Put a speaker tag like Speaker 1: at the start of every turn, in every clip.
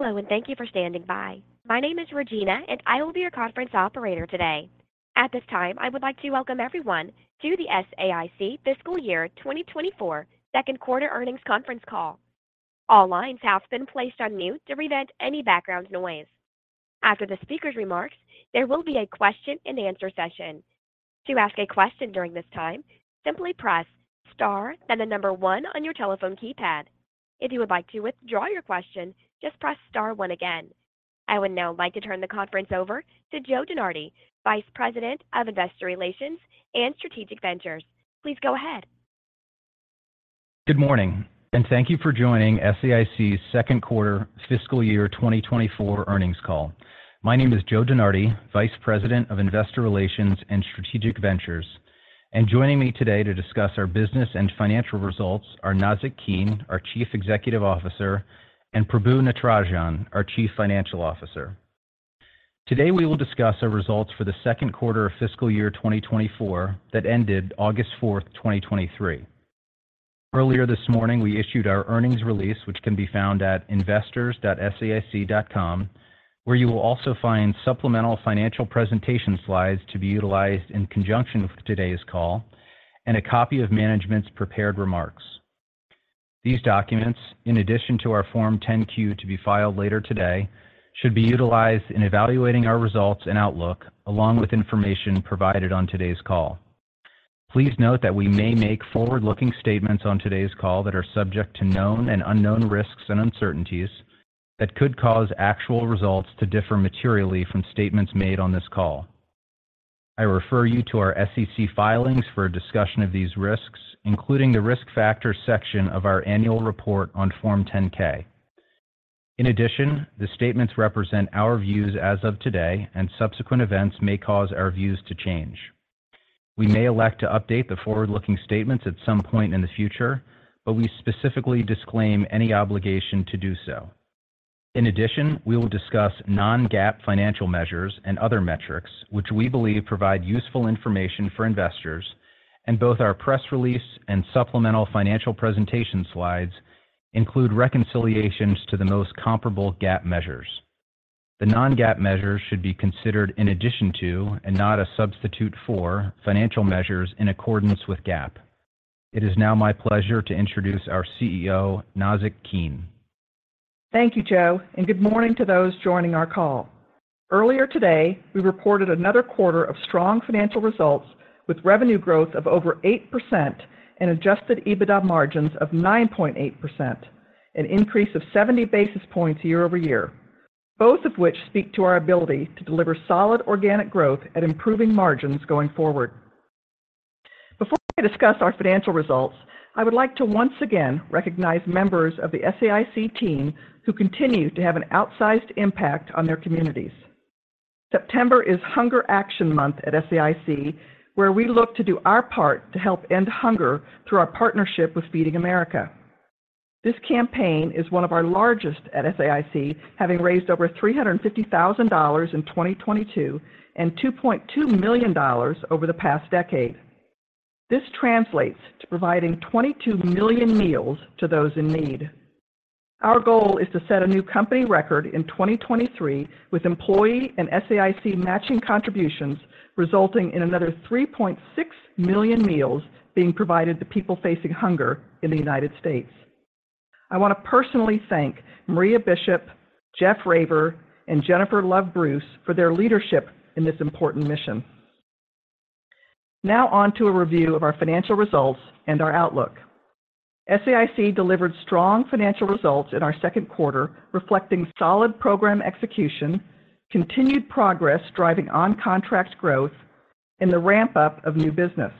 Speaker 1: Hello, and thank you for standing by. My name is Regina, and I will be your conference operator today. At this time, I would like to welcome everyone to the SAIC Fiscal Year 2024 second quarter earnings conference call. All lines have been placed on mute to prevent any background noise. After the speaker's remarks, there will be a question-and-answer session. To ask a question during this time, simply press Star, then the number 1 on your telephone keypad. If you would like to withdraw your question, just press Star 1 again. I would now like to turn the conference over to Joe DeNardi, Vice President of Investor Relations and Strategic Ventures. Please go ahead.
Speaker 2: Good morning, and thank you for joining SAIC's second quarter fiscal year 2024 earnings call. My name is Joe DeNardi, Vice President of Investor Relations and Strategic Ventures, and joining me today to discuss our business and financial results are Nazzic Keene, our Chief Executive Officer, and Prabu Natarajan, our Chief Financial Officer. Today, we will discuss our results for the second quarter of fiscal year 2024 that ended August 4, 2023. Earlier this morning, we issued our earnings release, which can be found at investors.saic.com, where you will also find supplemental financial presentation slides to be utilized in conjunction with today's call and a copy of management's prepared remarks. These documents, in addition to our Form 10-Q, to be filed later today, should be utilized in evaluating our results and outlook, along with information provided on today's call. Please note that we may make forward-looking statements on today's call that are subject to known and unknown risks and uncertainties that could cause actual results to differ materially from statements made on this call. I refer you to our SEC filings for a discussion of these risks, including the Risk Factors section of our annual report on Form 10-K. In addition, the statements represent our views as of today, and subsequent events may cause our views to change. We may elect to update the forward-looking statements at some point in the future, but we specifically disclaim any obligation to do so. In addition, we will discuss non-GAAP financial measures and other metrics which we believe provide useful information for investors, and both our press release and supplemental financial presentation slides include reconciliations to the most comparable GAAP measures. The non-GAAP measures should be considered in addition to, and not a substitute for, financial measures in accordance with GAAP. It is now my pleasure to introduce our CEO, Nazzic Keene.
Speaker 3: Thank you, Joe, and good morning to those joining our call. Earlier today, we reported another quarter of strong financial results with revenue growth of over 8% and Adjusted EBITDA margins of 9.8%, an increase of 70 basis points year-over-year, both of which speak to our ability to deliver solid organic growth at improving margins going forward. Before I discuss our financial results, I would like to once again recognize members of the SAIC team who continue to have an outsized impact on their communities. September is Hunger Action Month at SAIC, where we look to do our part to help end hunger through our partnership with Feeding America. This campaign is one of our largest at SAIC, having raised over $350,000 in 2022 and $2.2 million over the past decade. This translates to providing 22 million meals to those in need. Our goal is to set a new company record in 2023, with employee and SAIC matching contributions, resulting in another 3.6 million meals being provided to people facing hunger in the United States. I want to personally thank Maria Bishop, Jeff Raver, and Jennifer Love Bruce for their leadership in this important mission. Now on to a review of our financial results and our outlook. SAIC delivered strong financial results in our second quarter, reflecting solid program execution, continued progress driving on-contract growth, and the ramp-up of new business.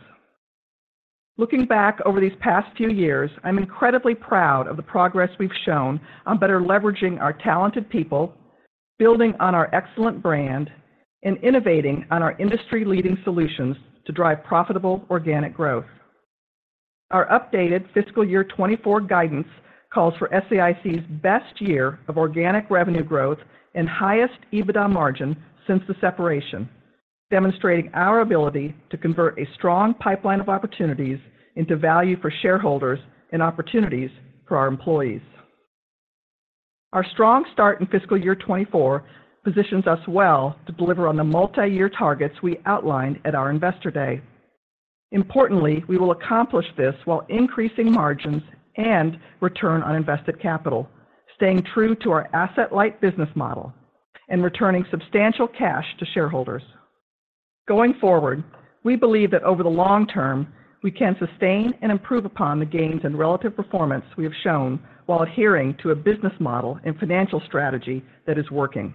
Speaker 3: Looking back over these past few years, I'm incredibly proud of the progress we've shown on better leveraging our talented people, building on our excellent brand, and innovating on our industry-leading solutions to drive profitable organic growth. Our updated fiscal year 2024 guidance calls for SAIC's best year of organic revenue growth and highest EBITDA margin since the separation, demonstrating our ability to convert a strong pipeline of opportunities into value for shareholders and opportunities for our employees. Our strong start in fiscal year 2024 positions us well to deliver on the multi-year targets we outlined at our Investor Day. Importantly, we will accomplish this while increasing margins and return on invested capital, staying true to our asset-light business model and returning substantial cash to shareholders. Going forward, we believe that over the long term, we can sustain and improve upon the gains and relative performance we have shown while adhering to a business model and financial strategy that is working.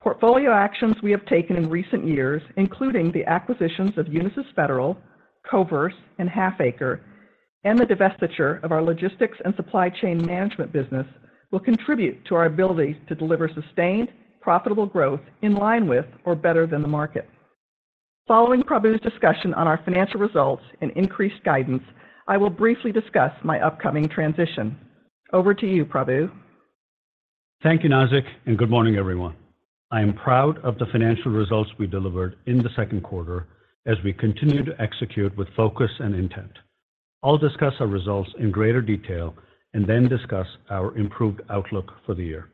Speaker 3: Portfolio actions we have taken in recent years, including the acquisitions of Unisys Federal, Koverse, and Halfaker and Associates, and the divestiture of our logistics and supply chain management business, will contribute to our ability to deliver sustained, profitable growth in line with or better than the market. Following Prabu's discussion on our financial results and increased guidance, I will briefly discuss my upcoming transition. Over to you, Prabu.
Speaker 4: Thank you, Nazzic, and good morning, everyone. I am proud of the financial results we delivered in the second quarter as we continue to execute with focus and intent.... I'll discuss our results in greater detail and then discuss our improved outlook for the year.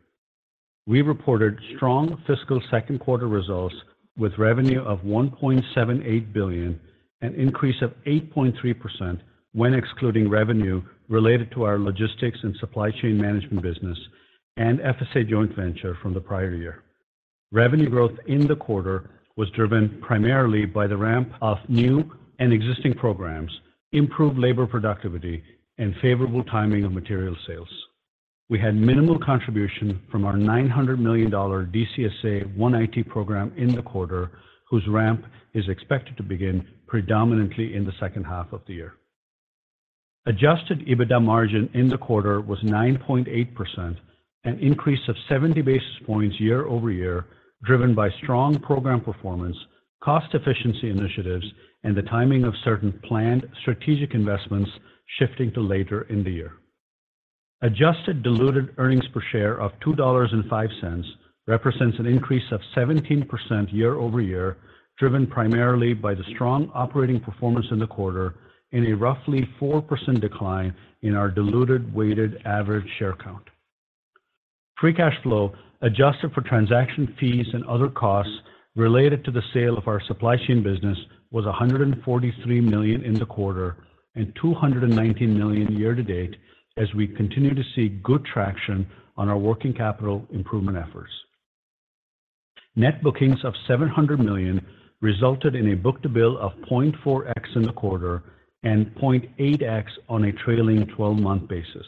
Speaker 4: We reported strong fiscal second quarter results with revenue of $1.78 billion, an increase of 8.3% when excluding revenue related to our logistics and supply chain management business and FSA joint venture from the prior year. Revenue growth in the quarter was driven primarily by the ramp of new and existing programs, improved labor productivity, and favorable timing of material sales. We had minimal contribution from our $900 million DCSA OneIT program in the quarter, whose ramp is expected to begin predominantly in the second half of the year. Adjusted EBITDA margin in the quarter was 9.8%, an increase of 70 basis points year-over-year, driven by strong program performance, cost efficiency initiatives, and the timing of certain planned strategic investments shifting to later in the year. Adjusted diluted earnings per share of $2.05 represents an increase of 17% year-over-year, driven primarily by the strong operating performance in the quarter and a roughly 4% decline in our diluted weighted average share count. Free cash flow, adjusted for transaction fees and other costs related to the sale of our supply chain business, was $143 million in the quarter and $219 million year to date, as we continue to see good traction on our working capital improvement efforts. Net bookings of $700 million resulted in a book-to-bill of 0.4x in the quarter and 0.8x on a trailing twelve-month basis.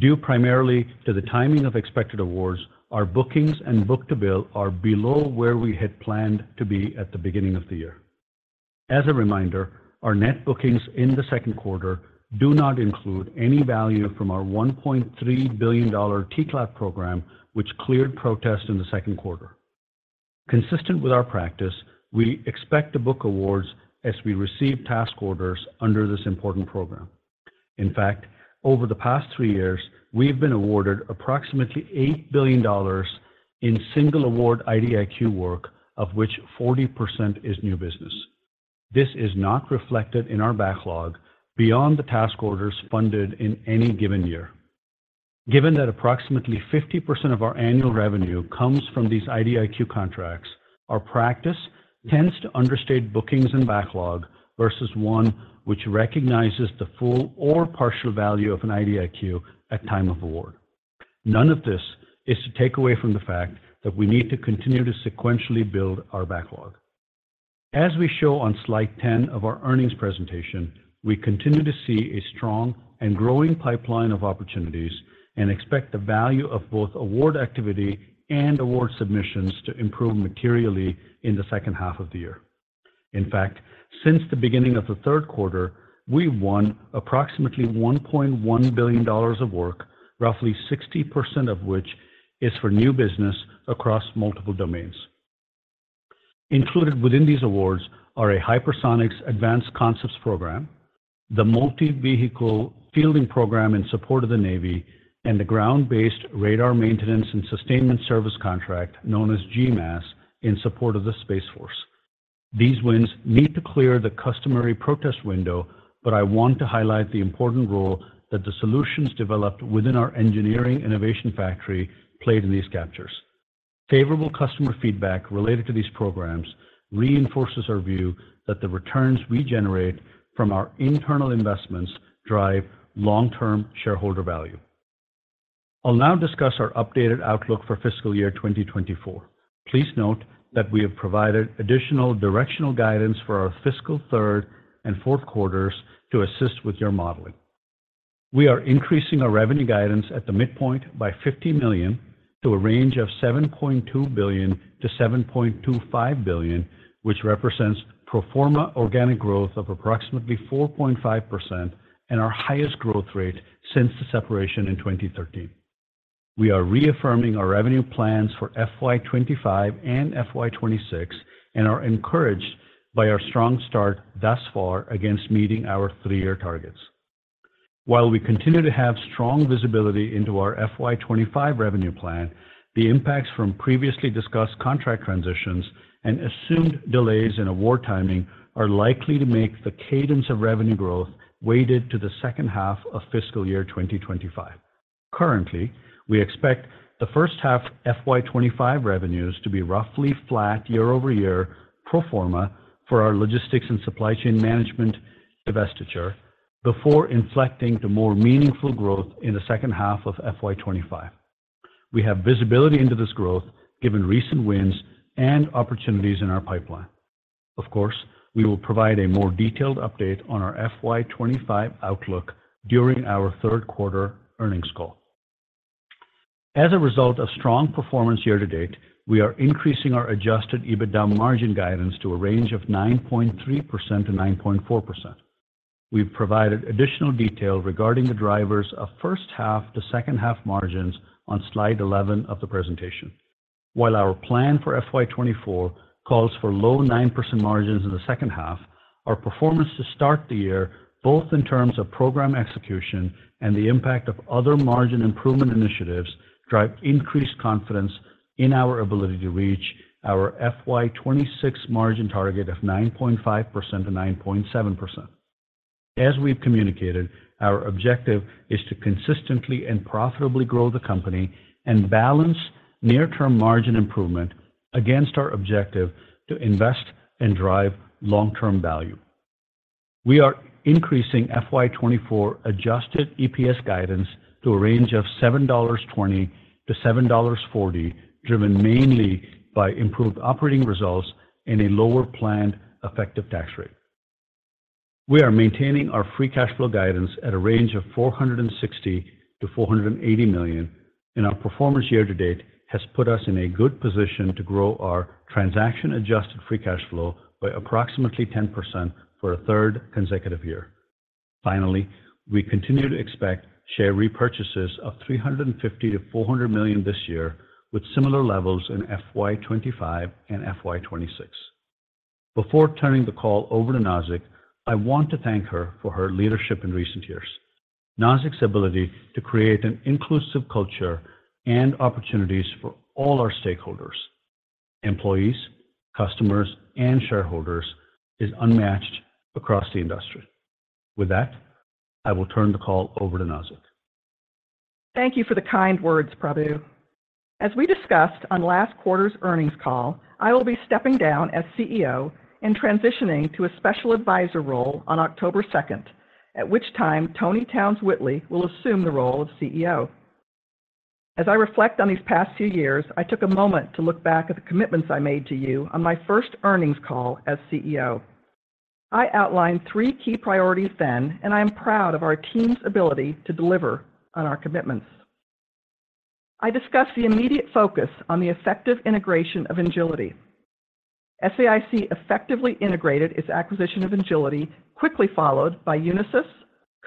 Speaker 4: Due primarily to the timing of expected awards, our bookings and book-to-bill are below where we had planned to be at the beginning of the year. As a reminder, our net bookings in the second quarter do not include any value from our $1.3 billion T-Cloud program, which cleared protest in the second quarter. Consistent with our practice, we expect to book awards as we receive task orders under this important program. In fact, over the past 3 years, we've been awarded approximately $8 billion in single award IDIQ work, of which 40% is new business. This is not reflected in our backlog beyond the task orders funded in any given year. Given that approximately 50% of our annual revenue comes from these IDIQ contracts, our practice tends to understate bookings and backlog versus one which recognizes the full or partial value of an IDIQ at time of award. None of this is to take away from the fact that we need to continue to sequentially build our backlog. As we show on slide 10 of our earnings presentation, we continue to see a strong and growing pipeline of opportunities and expect the value of both award activity and award submissions to improve materially in the second half of the year. In fact, since the beginning of the third quarter, we've won approximately $1.1 billion of work, roughly 60% of which is for new business across multiple domains. Included within these awards are a Hypersonics Advanced Concepts program, the Multi-Vehicle Fielding program in support of the Navy, and the Ground-Based Radar Maintenance and Sustainment Service contract, known as GMASS, in support of the Space Force. These wins need to clear the customary protest window, but I want to highlight the important role that the solutions developed within our engineering Innovation Factory played in these captures. Favorable customer feedback related to these programs reinforces our view that the returns we generate from our internal investments drive long-term shareholder value. I'll now discuss our updated outlook for fiscal year 2024. Please note that we have provided additional directional guidance for our fiscal third and fourth quarters to assist with your modeling. We are increasing our revenue guidance at the midpoint by $50 million to a range of $7.2 billion-$7.25 billion, which represents pro forma organic growth of approximately 4.5% and our highest growth rate since the separation in 2013. We are reaffirming our revenue plans for FY 2025 and FY 2026 and are encouraged by our strong start thus far against meeting our 3-year targets. While we continue to have strong visibility into our FY 2025 revenue plan, the impacts from previously discussed contract transitions and assumed delays in award timing are likely to make the cadence of revenue growth weighted to the second half of fiscal year 2025. Currently, we expect the first half FY 2025 revenues to be roughly flat year-over-year pro forma for our logistics and supply chain management divestiture, before inflecting to more meaningful growth in the second half of FY 2025. We have visibility into this growth given recent wins and opportunities in our pipeline. Of course, we will provide a more detailed update on our FY 2025 outlook during our third quarter earnings call. As a result of strong performance year to date, we are increasing our Adjusted EBITDA margin guidance to a range of 9.3%-9.4%. We've provided additional detail regarding the drivers of first half to second half margins on slide 11 of the presentation. While our plan for FY 2024 calls for low 9% margins in the second half, our performance to start the year, both in terms of program execution and the impact of other margin improvement initiatives, drive increased confidence in our ability to reach our FY 2026 margin target of 9.5%-9.7%. As we've communicated, our objective is to consistently and profitably grow the company and balance near-term margin improvement against our objective to invest and drive long-term value. We are increasing FY 2024 adjusted EPS guidance to a range of $7.20-$7.40, driven mainly by improved operating results and a lower planned effective tax rate. We are maintaining our free cash flow guidance at a range of $460 million-$480 million, and our performance year to date has put us in a good position to grow our transaction-adjusted free cash flow by approximately 10% for a third consecutive year. Finally, we continue to expect share repurchases of $350 million-$400 million this year, with similar levels in FY 2025 and FY 2026. Before turning the call over to Nazzic, I want to thank her for her leadership in recent years. Nazzic's ability to create an inclusive culture and opportunities for all our stakeholders, employees, customers, and shareholders is unmatched across the industry. With that, I will turn the call over to Nazzic.
Speaker 3: Thank you for the kind words, Prabu. As we discussed on last quarter's earnings call, I will be stepping down as CEO and transitioning to a special advisor role on October second, at which time Toni Townes-Whitley will assume the role of CEO. As I reflect on these past few years, I took a moment to look back at the commitments I made to you on my first earnings call as CEO. I outlined three key priorities then, and I am proud of our team's ability to deliver on our commitments. I discussed the immediate focus on the effective integration of Engility. SAIC effectively integrated its acquisition of Engility, quickly followed by Unisys,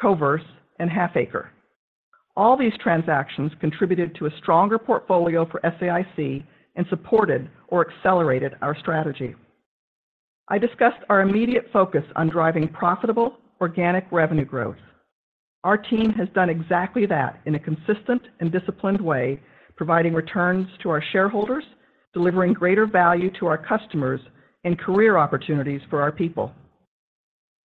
Speaker 3: Koverse, and Halfaker. All these transactions contributed to a stronger portfolio for SAIC and supported or accelerated our strategy. I discussed our immediate focus on driving profitable organic revenue growth. Our team has done exactly that in a consistent and disciplined way, providing returns to our shareholders, delivering greater value to our customers, and career opportunities for our people.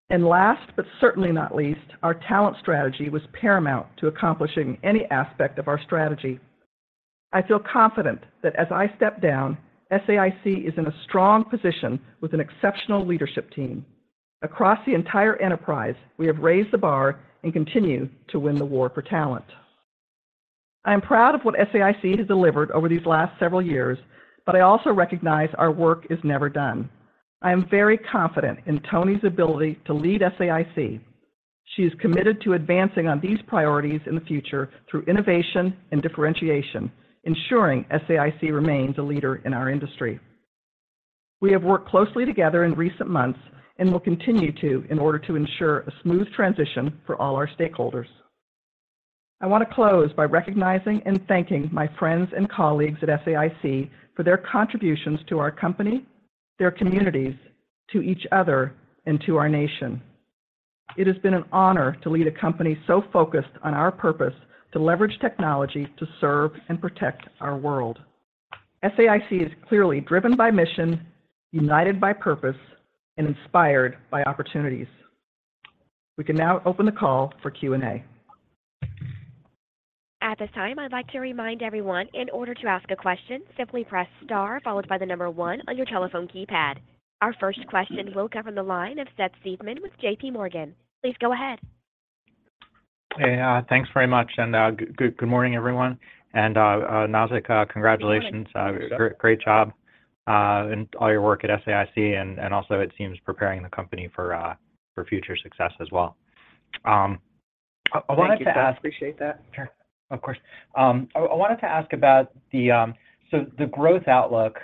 Speaker 3: Last, but certainly not least, our talent strategy was paramount to accomplishing any aspect of our strategy. I feel confident that as I step down, SAIC is in a strong position with an exceptional leadership team. Across the entire enterprise, we have raised the bar and continue to win the war for talent. I am proud of what SAIC has delivered over these last several years, but I also recognize our work is never done. I am very confident in Toni's ability to lead SAIC. She is committed to advancing on these priorities in the future through innovation and differentiation, ensuring SAIC remains a leader in our industry. We have worked closely together in recent months and will continue to, in order to ensure a smooth transition for all our stakeholders. I want to close by recognizing and thanking my friends and colleagues at SAIC for their contributions to our company, their communities, to each other, and to our nation. It has been an honor to lead a company so focused on our purpose to leverage technology to serve and protect our world. SAIC is clearly driven by mission, united by purpose, and inspired by opportunities. We can now open the call for Q&A.
Speaker 1: At this time, I'd like to remind everyone, in order to ask a question, simply press star followed by the number one on your telephone keypad. Our first question will come from the line of Seth Seifman with J.P. Morgan. Please go ahead.
Speaker 5: Hey, thanks very much. Good morning, everyone. Nazzic, congratulations. Great job in all your work at SAIC, and also it seems preparing the company for future success as well. I wanted to ask-
Speaker 3: Thank you, Seth. I appreciate that.
Speaker 5: Sure. Of course. I wanted to ask about the growth outlook,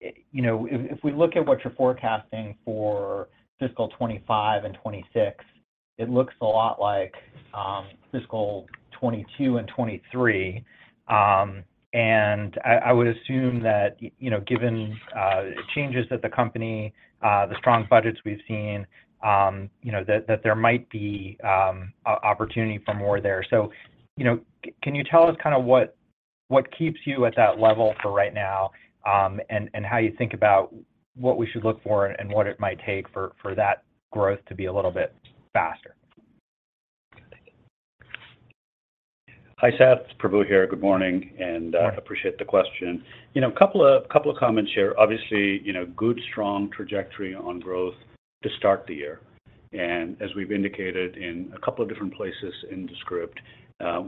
Speaker 5: you know, if we look at what you're forecasting for fiscal 25 and 26, it looks a lot like fiscal 22 and 23. And I would assume that, you know, given changes at the company, the strong budgets we've seen, you know, that there might be opportunity for more there. So, you know, can you tell us kind of what keeps you at that level for right now, and how you think about what we should look for and what it might take for that growth to be a little bit faster?
Speaker 4: Hi, Seth. Prabu here. Good morning, and-
Speaker 5: Morning
Speaker 4: Appreciate the question. You know, a couple of comments here. Obviously, you know, good, strong trajectory on growth to start the year. And as we've indicated in a couple of different places in the script,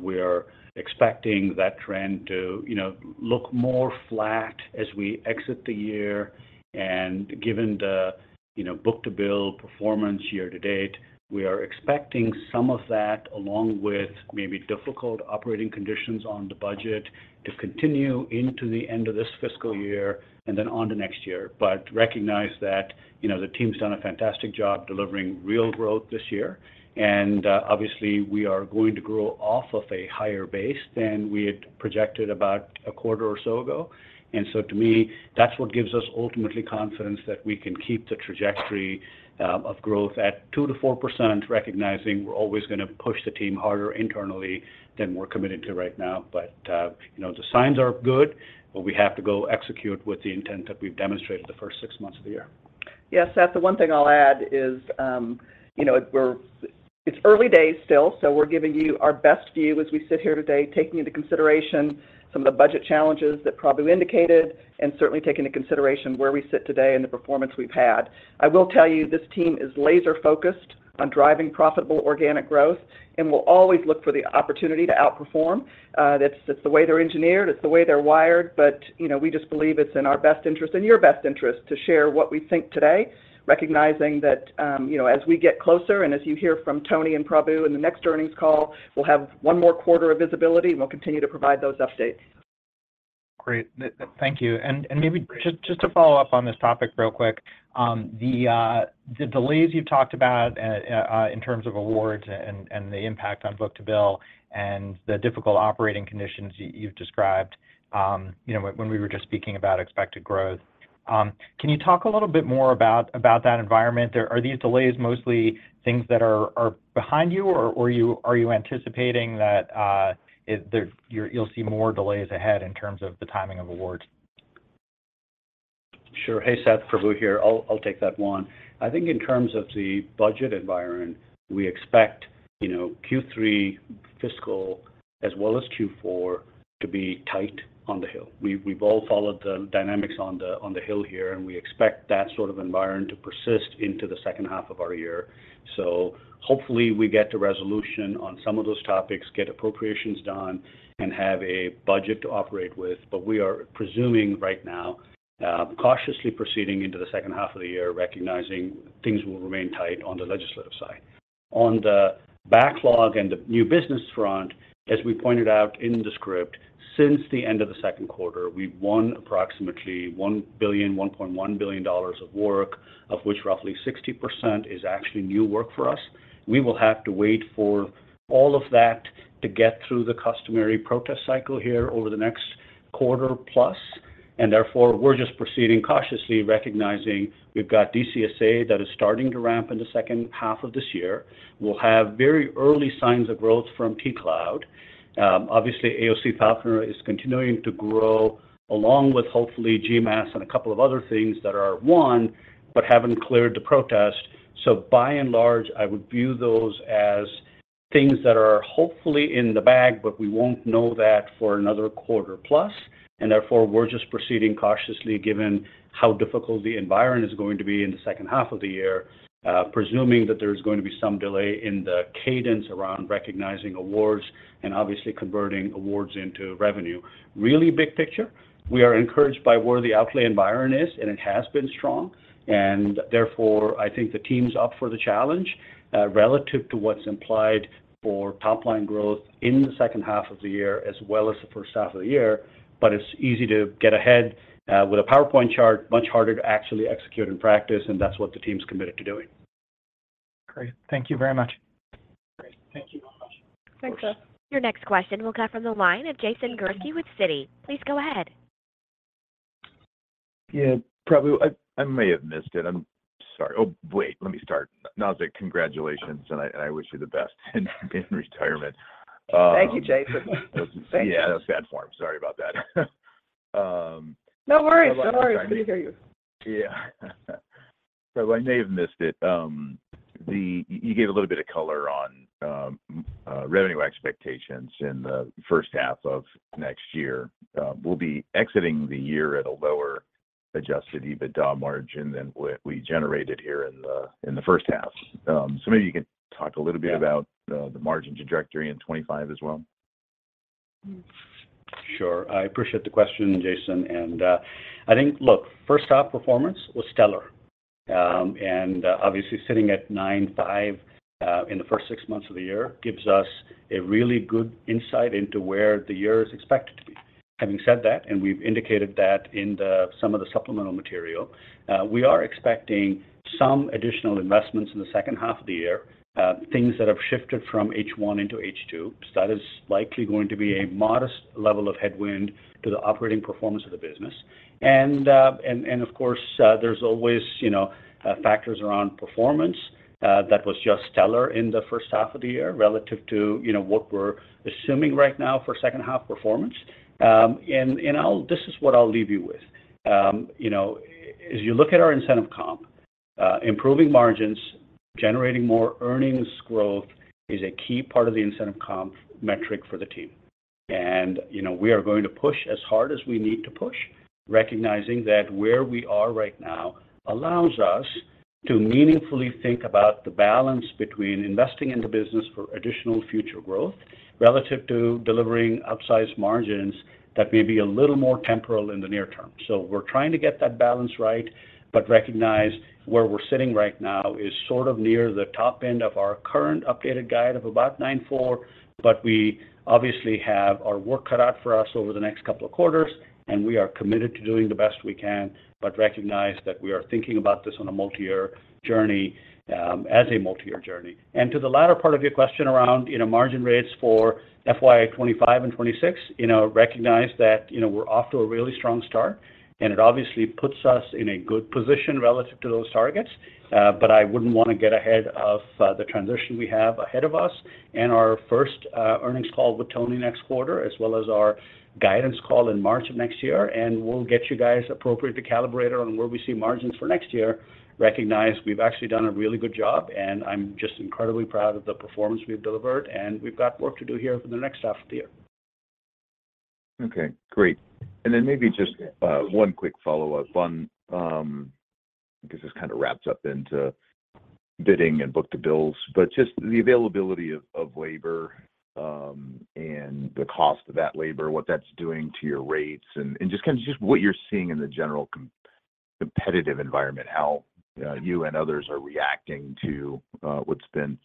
Speaker 4: we are expecting that trend to, you know, look more flat as we exit the year. And given the, you know, book-to-bill performance year to date, we are expecting some of that, along with maybe difficult operating conditions on the budget, to continue into the end of this fiscal year and then on to next year. But recognize that, you know, the team's done a fantastic job delivering real growth this year, and obviously, we are going to grow off of a higher base than we had projected about a quarter or so ago. And so to me, that's what gives us ultimately confidence that we can keep the trajectory, of growth at 2%-4%, recognizing we're always gonna push the team harder internally than we're committed to right now. But, you know, the signs are good, but we have to go execute with the intent that we've demonstrated the first six months of the year....
Speaker 6: Yes, Seth, the one thing I'll add is, you know, it's early days still, so we're giving you our best view as we sit here today, taking into consideration some of the budget challenges that Prabu indicated, and certainly take into consideration where we sit today and the performance we've had. I will tell you, this team is laser-focused on driving profitable organic growth, and we'll always look for the opportunity to outperform. That's, that's the way they're engineered, it's the way they're wired, but, you know, we just believe it's in our best interest and your best interest to share what we think today, recognizing that, you know, as we get closer, and as you hear from Toni and Prabu in the next earnings call, we'll have one more quarter of visibility, and we'll continue to provide those updates.
Speaker 5: Great. Thank you. And maybe just to follow up on this topic real quick, the delays you've talked about in terms of awards and the impact on book-to-bill and the difficult operating conditions you've described, you know, when we were just speaking about expected growth. Can you talk a little bit more about that environment? Are these delays mostly things that are behind you, or are you anticipating that you'll see more delays ahead in terms of the timing of awards?
Speaker 4: Sure. Hey, Seth, Prabu here. I'll, I'll take that one. I think in terms of the budget environment, we expect, you know, Q3 fiscal as well as Q4 to be tight on the Hill. We've, we've all followed the dynamics on the, on the Hill here, and we expect that sort of environment to persist into the second half of our year. So hopefully, we get to resolution on some of those topics, get appropriations done, and have a budget to operate with. But we are presuming right now, cautiously proceeding into the second half of the year, recognizing things will remain tight on the legislative side. On the backlog and the new business front, as we pointed out in the script, since the end of the second quarter, we've won approximately $1 billion, $1.1 billion of work, of which roughly 60% is actually new work for us. We will have to wait for all of that to get through the customary protest cycle here over the next quarter plus, and therefore, we're just proceeding cautiously, recognizing we've got DCSA that is starting to ramp in the second half of this year. We'll have very early signs of growth from T-Cloud. Obviously, AOC Pathfinder is continuing to grow, along with, hopefully, GMASS and a couple of other things that are won, but haven't cleared the protest. So by and large, I would view those as things that are hopefully in the bag, but we won't know that for another quarter plus, and therefore, we're just proceeding cautiously given how difficult the environment is going to be in the second half of the year, presuming that there's going to be some delay in the cadence around recognizing awards and obviously converting awards into revenue. Really big picture, we are encouraged by where the outlay environment is, and it has been strong, and therefore, I think the team's up for the challenge, relative to what's implied for top-line growth in the second half of the year as well as the first half of the year. But it's easy to get ahead, with a PowerPoint chart, much harder to actually execute in practice, and that's what the team's committed to doing.
Speaker 5: Great. Thank you very much.
Speaker 4: Great. Thank you so much.
Speaker 3: Thanks, Seth.
Speaker 1: Your next question will come from the line of Jason Gursky with Citi. Please go ahead.
Speaker 6: Yeah, Prabu, I may have missed it. I'm sorry. Oh, wait, let me start. Nazzic, congratulations, and I wish you the best in retirement.
Speaker 3: Thank you, Jason.
Speaker 6: Yeah, that was bad form. Sorry about that.
Speaker 4: No worries. No worries.
Speaker 6: I like to-
Speaker 4: We hear you.
Speaker 6: Yeah. So I may have missed it. You gave a little bit of color on revenue expectations in the first half of next year. We'll be exiting the year at a lower adjusted EBITDA margin than what we generated here in the first half. So maybe you can talk a little bit about-
Speaker 4: Yeah...
Speaker 6: the margin trajectory in 2025 as well.
Speaker 4: Sure. I appreciate the question, Jason, and I think, look, first half performance was stellar. And obviously, sitting at 9.5 in the first six months of the year, gives us a really good insight into where the year is expected to be. Having said that, and we've indicated that in some of the supplemental material, we are expecting some additional investments in the second half of the year, things that have shifted from H1 into H2. So that is likely going to be a modest level of headwind to the operating performance of the business. And of course, there's always, you know, factors around performance that was just stellar in the first half of the year relative to, you know, what we're assuming right now for second half performance. This is what I'll leave you with, you know, as you look at our incentive comp, improving margins, generating more earnings growth is a key part of the incentive comp metric for the team. You know, we are going to push as hard as we need to push, recognizing that where we are right now allows us to meaningfully think about the balance between investing in the business for additional future growth, relative to delivering upsized margins that may be a little more temporal in the near term. So we're trying to get that balance right, but recognize where we're sitting right now is sort of near the top end of our current updated guide of about 9.4, but we obviously have our work cut out for us over the next couple of quarters, and we are committed to doing the best we can, but recognize that we are thinking about this on a multi-year journey, as a multi-year journey. And to the latter part of your question around, you know, margin rates for FY 2025 and 2026, you know, recognize that, you know, we're off to a really strong start, and it obviously puts us in a good position relative to those targets. But I wouldn't want to get ahead of the transition we have ahead of us and our first earnings call with Toni next quarter, as well as our guidance call in March of next year, and we'll get you guys appropriately calibrated on where we see margins for next year. Recognize we've actually done a really good job, and I'm just incredibly proud of the performance we've delivered, and we've got work to do here over the next half of the year....
Speaker 6: Okay, great. And then maybe just one quick follow-up on, I guess this kind of wraps up into bidding and book-to-bill, but just the availability of labor and the cost of that labor, what that's doing to your rates, and just kind of what you're seeing in the general competitive environment, how you and others are reacting to what's been,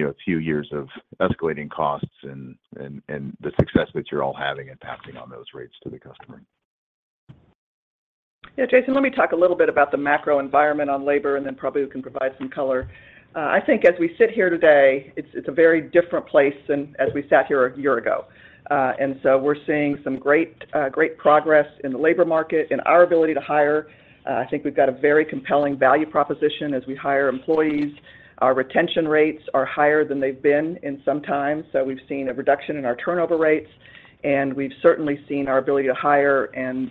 Speaker 6: you know, a few years of escalating costs and the success that you're all having in passing on those rates to the customer.
Speaker 3: Yeah, Jason, let me talk a little bit about the macro environment on labor, and then Prabu can provide some color. I think as we sit here today, it's, it's a very different place than as we sat here a year ago. And so we're seeing some great, great progress in the labor market, in our ability to hire. I think we've got a very compelling value proposition as we hire employees. Our retention rates are higher than they've been in some time, so we've seen a reduction in our turnover rates, and we've certainly seen our ability to hire and,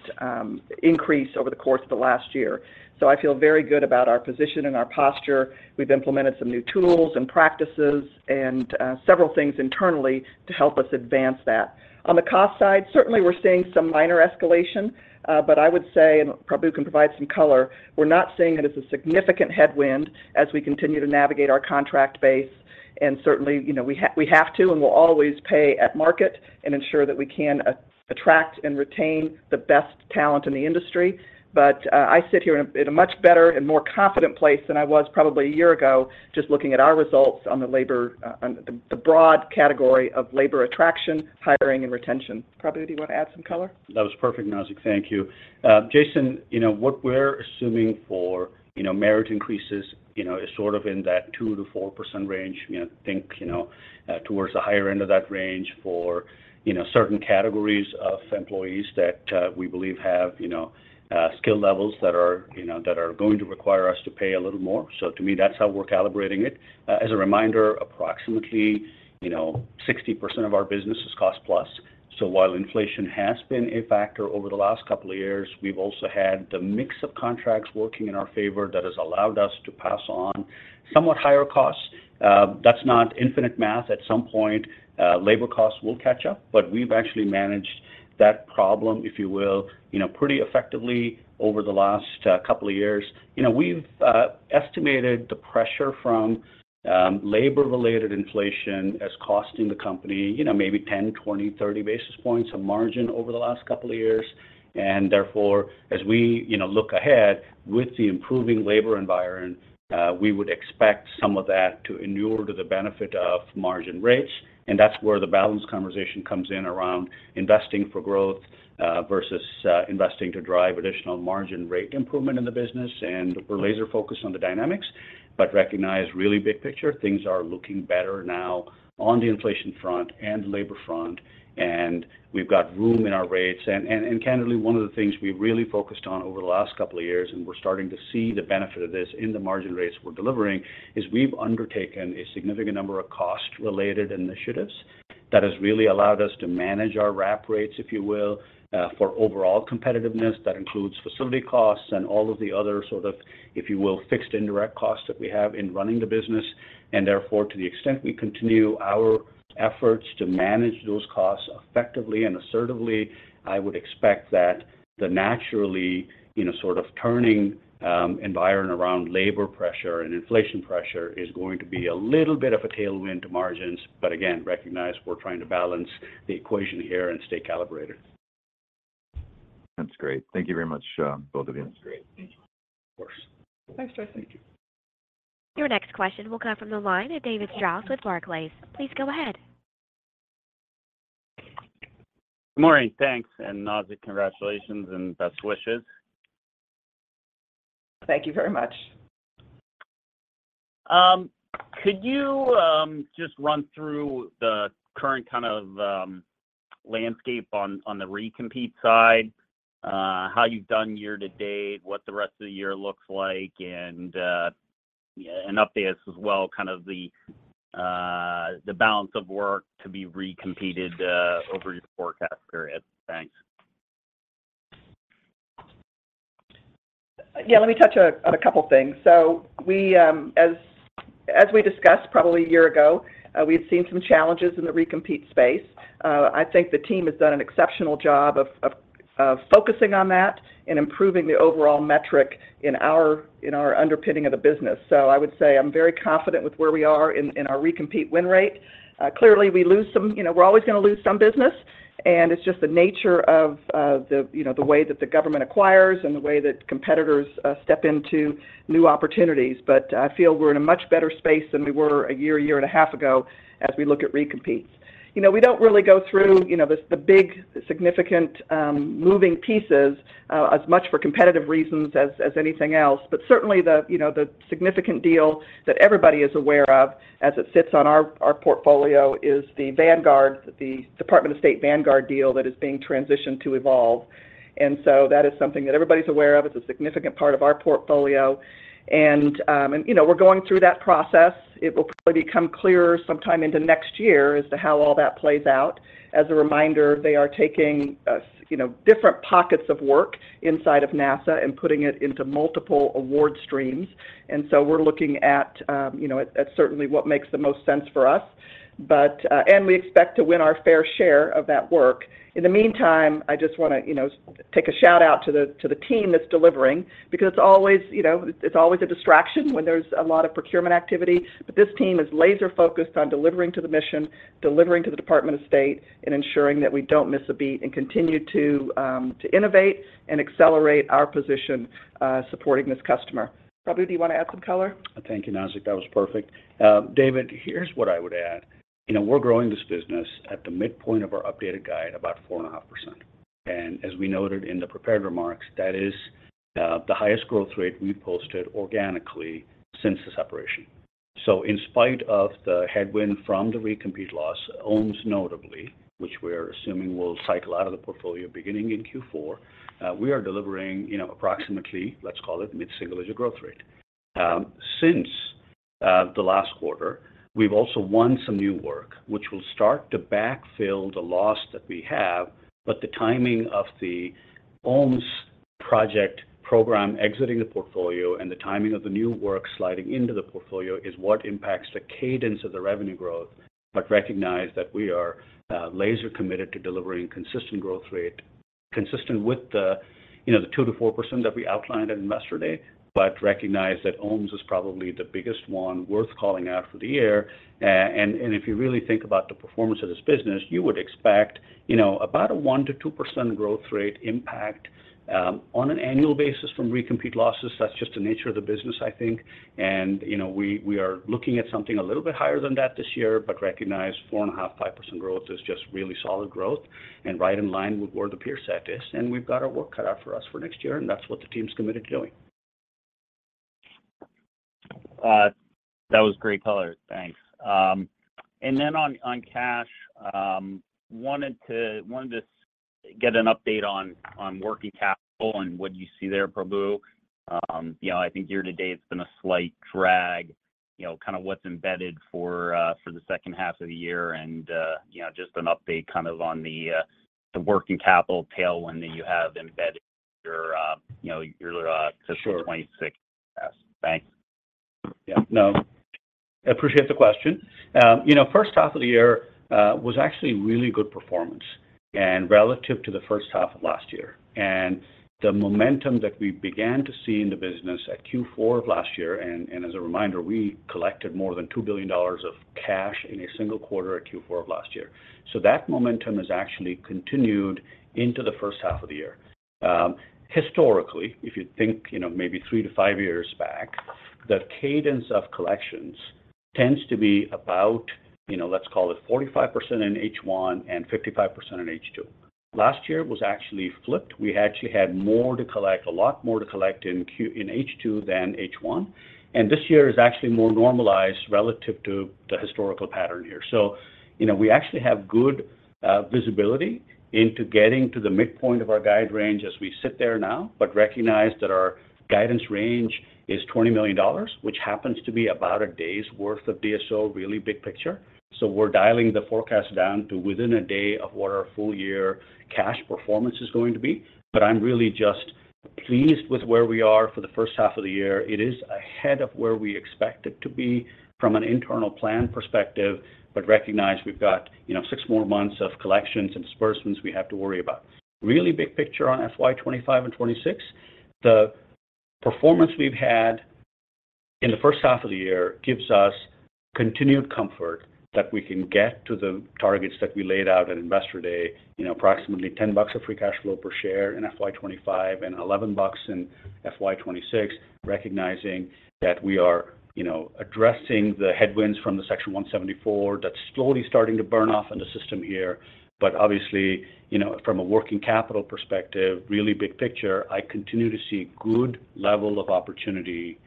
Speaker 3: increase over the course of the last year. So I feel very good about our position and our posture. We've implemented some new tools and practices and, several things internally to help us advance that. On the cost side, certainly we're seeing some minor escalation, but I would say, and Prabu can provide some color, we're not seeing it as a significant headwind as we continue to navigate our contract base. Certainly, you know, we have to, and we'll always pay at market and ensure that we can attract and retain the best talent in the industry. I sit here in a much better and more confident place than I was probably a year ago, just looking at our results on the labor, on the broad category of labor attraction, hiring, and retention. Prabu, do you want to add some color?
Speaker 4: That was perfect, Nazzic. Thank you. Jason, you know, what we're assuming for, you know, merit increases, you know, is sort of in that 2%-4% range. You know, think, you know, towards the higher end of that range for, you know, certain categories of employees that, we believe have, you know, skill levels that are, you know, that are going to require us to pay a little more. So to me, that's how we're calibrating it. As a reminder, approximately, you know, 60% of our business is cost-plus. So while inflation has been a factor over the last couple of years, we've also had the mix of contracts working in our favor that has allowed us to pass on somewhat higher costs. That's not infinite math. At some point, labor costs will catch up, but we've actually managed that problem, if you will, you know, pretty effectively over the last couple of years. You know, we've estimated the pressure from labor-related inflation as costing the company, you know, maybe 10, 20, 30 basis points of margin over the last couple of years. And therefore, as we, you know, look ahead with the improving labor environment, we would expect some of that to inure to the benefit of margin rates. And that's where the balance conversation comes in around investing for growth versus investing to drive additional margin rate improvement in the business. And we're laser focused on the dynamics, but recognize really big picture, things are looking better now on the inflation front and labor front, and we've got room in our rates. Candidly, one of the things we really focused on over the last couple of years, and we're starting to see the benefit of this in the margin rates we're delivering, is we've undertaken a significant number of cost-related initiatives that has really allowed us to manage our wrap rates, if you will, for overall competitiveness. That includes facility costs and all of the other sort of, if you will, fixed indirect costs that we have in running the business. And therefore, to the extent we continue our efforts to manage those costs effectively and assertively, I would expect that the naturally, you know, sort of turning environment around labor pressure and inflation pressure is going to be a little bit of a tailwind to margins. But again, recognize we're trying to balance the equation here and stay calibrated.
Speaker 6: That's great. Thank you very much, both of you.
Speaker 4: That's great. Thank you.
Speaker 3: Of course. Thanks, Jason.
Speaker 4: Thank you.
Speaker 1: Your next question will come from the line of David Strauss with Barclays. Please go ahead.
Speaker 7: Good morning, thanks. And Nazzic, congratulations and best wishes.
Speaker 3: Thank you very much.
Speaker 7: Could you just run through the current kind of landscape on the recompete side, how you've done year to date, what the rest of the year looks like, and yeah, an update as well, kind of the balance of work to be recompeted over your forecast period? Thanks.
Speaker 3: Yeah, let me touch on a couple of things. So we, as we discussed probably a year ago, we had seen some challenges in the recompete space. I think the team has done an exceptional job of focusing on that and improving the overall metric in our underpinning of the business. So I would say I'm very confident with where we are in our recompete win rate. Clearly, we lose some—you know, we're always going to lose some business, and it's just the nature of the way that the government acquires and the way that competitors step into new opportunities. But I feel we're in a much better space than we were a year, a year and a half ago as we look at recompetes. You know, we don't really go through, you know, the big, significant moving pieces as much for competitive reasons as anything else. But certainly, you know, the significant deal that everybody is aware of as it sits on our portfolio is the Vanguard, the Department of State Vanguard deal that is being transitioned to Evolve. And so that is something that everybody's aware of. It's a significant part of our portfolio, and, you know, we're going through that process. It will probably become clearer sometime into next year as to how all that plays out. As a reminder, they are taking, you know, different pockets of work inside of NASA and putting it into multiple award streams. And so we're looking at, you know, at certainly what makes the most sense for us.... but, and we expect to win our fair share of that work. In the meantime, I just want to, you know, take a shout-out to the, to the team that's delivering, because it's always, you know, it's always a distraction when there's a lot of procurement activity. But this team is laser-focused on delivering to the mission, delivering to the Department of State, and ensuring that we don't miss a beat, and continue to, to innovate and accelerate our position, supporting this customer. Prabu, do you want to add some color?
Speaker 4: Thank you, Nazzic. That was perfect. David, here's what I would add. You know, we're growing this business at the midpoint of our updated guide, about 4.5%. And as we noted in the prepared remarks, that is, the highest growth rate we've posted organically since the separation. So in spite of the headwind from the recompete loss, OMES notably, which we're assuming will cycle out of the portfolio beginning in Q4, we are delivering, you know, approximately, let's call it mid-single-digit growth rate. Since the last quarter, we've also won some new work, which will start to backfill the loss that we have, but the timing of the OMES project program exiting the portfolio and the timing of the new work sliding into the portfolio is what impacts the cadence of the revenue growth. But recognize that we are laser-committed to delivering consistent growth rate, consistent with the, you know, the 2%-4% that we outlined at Investor Day. But recognize that OMES is probably the biggest one worth calling out for the year. And if you really think about the performance of this business, you would expect, you know, about a 1%-2% growth rate impact on an annual basis from recompete losses. That's just the nature of the business, I think. And, you know, we are looking at something a little bit higher than that this year, but recognize 4.5%-5% growth is just really solid growth and right in line with where the peer set is, and we've got our work cut out for us for next year, and that's what the team's committed to doing.
Speaker 7: That was great color. Thanks. And then on cash, wanted to get an update on working capital and what you see there, Prabu. You know, I think year to date, it's been a slight drag, you know, kind of what's embedded for the second half of the year and you know, just an update on the working capital tailwind that you have embedded in your, you know, your,
Speaker 4: Sure...
Speaker 7: fiscal 26. Thanks.
Speaker 4: Yeah, no, I appreciate the question. You know, first half of the year was actually really good performance and relative to the first half of last year. And the momentum that we began to see in the business at Q4 of last year, and as a reminder, we collected more than $2 billion of cash in a single quarter at Q4 of last year. So that momentum has actually continued into the first half of the year. Historically, if you think, you know, maybe 3-5 years back, the cadence of collections tends to be about, you know, let's call it 45% in H1 and 55% in H2. Last year, it was actually flipped. We actually had more to collect, a lot more to collect in H2 than H1, and this year is actually more normalized relative to the historical pattern here. So you know, we actually have good visibility into getting to the midpoint of our guide range as we sit there now, but recognize that our guidance range is $20 million, which happens to be about a day's worth of DSO, really big picture. So we're dialing the forecast down to within a day of what our full-year cash performance is going to be. But I'm really just pleased with where we are for the first half of the year. It is ahead of where we expect it to be from an internal plan perspective, but recognize we've got, you know, six more months of collections and disbursements we have to worry about. Really big picture on FY 25 and 26, the performance we've had in the first half of the year gives us continued comfort that we can get to the targets that we laid out at Investor Day. You know, approximately $10 of free cash flow per share in FY 25 and $11 in FY 26, recognizing that we are, you know, addressing the headwinds from the Section 174, that's slowly starting to burn off in the system here. But obviously, you know, from a working capital perspective, really big picture, I continue to see good level of opportunity.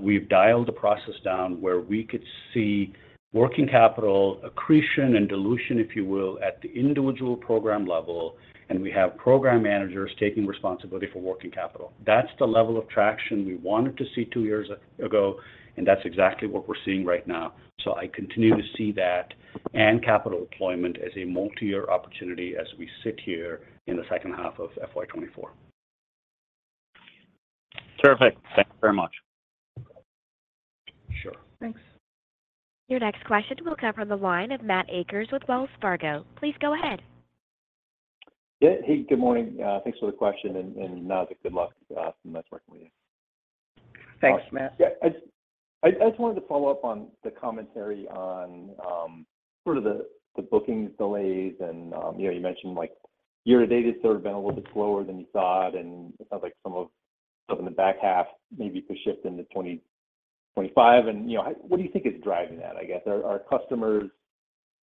Speaker 4: We've dialed the process down where we could see working capital, accretion and dilution, if you will, at the individual program level, and we have program managers taking responsibility for working capital. That's the level of traction we wanted to see two years ago, and that's exactly what we're seeing right now. So I continue to see that and capital deployment as a multi-year opportunity as we sit here in the second half of FY 2024.
Speaker 7: Terrific. Thank you very much.
Speaker 4: Sure.
Speaker 3: Thanks.
Speaker 1: Your next question will come from the line of Matt Akers with Wells Fargo. Please go ahead.
Speaker 8: Yeah. Hey, good morning. Thanks for the question, and, and now, good luck, and nice working with you.
Speaker 3: Thanks, Matt.
Speaker 8: Yeah, I just wanted to follow up on the commentary on sort of the bookings delays and, you know, you mentioned, like, year to date, it's sort of been a little bit slower than you thought, and it sounds like some of stuff in the back half maybe could shift into 2025. And, you know, how—what do you think is driving that, I guess? Are customers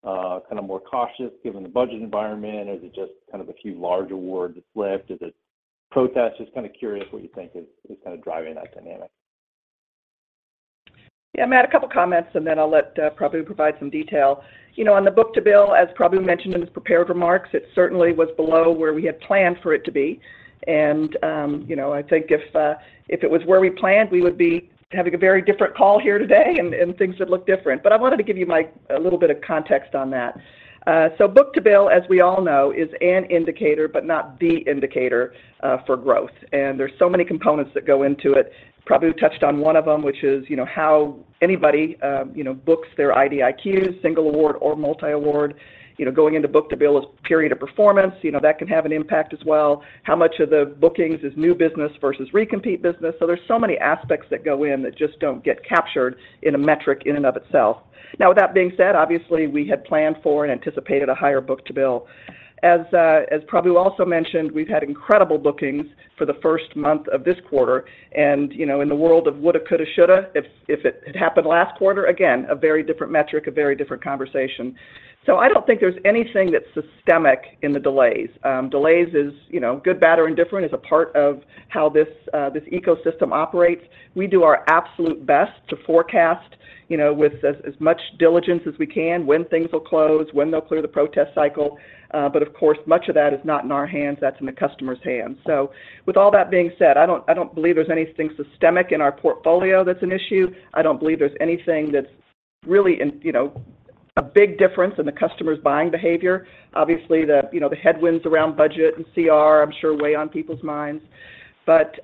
Speaker 8: kind of more cautious given the budget environment, or is it just kind of a few large awards that's left? Is it protests? Just kind of curious what you think is kind of driving that dynamic.
Speaker 3: Yeah, Matt, a couple comments, and then I'll let Prabu provide some detail. You know, on the book-to-bill, as Prabu mentioned in his prepared remarks, it certainly was below where we had planned for it to be. And, you know, I think if it was where we planned, we would be having a very different call here today, and things would look different. But I wanted to give you my, a little bit of context on that. So book-to-bill, as we all know, is an indicator, but not the indicator for growth. And there's so many components that go into it. Prabu touched on one of them, which is, you know, how anybody, you know, books their IDIQs, single award or multi-award. You know, going into book-to-bill, a period of performance, you know, that can have an impact as well. How much of the bookings is new business versus re-compete business? So there's so many aspects that go in that just don't get captured in a metric in and of itself. Now, with that being said, obviously, we had planned for and anticipated a higher book-to-bill. As, as Prabu also mentioned, we've had incredible bookings for the first month of this quarter. And, you know, in the world of woulda, coulda, shoulda, if, if it had happened last quarter, again, a very different metric, a very different conversation. So I don't think there's anything that's systemic in the delays. Delays is, you know, good, bad, or indifferent, is a part of how this, this ecosystem operates. We do our absolute best to forecast, you know, with as, as much diligence as we can, when things will close, when they'll clear the protest cycle. But of course, much of that is not in our hands, that's in the customer's hands. So with all that being said, I don't, I don't believe there's anything systemic in our portfolio that's an issue. I don't believe there's anything that's really in, you know, a big difference in the customer's buying behavior. Obviously, the, you know, the headwinds around budget and CR, I'm sure, weigh on people's minds. But,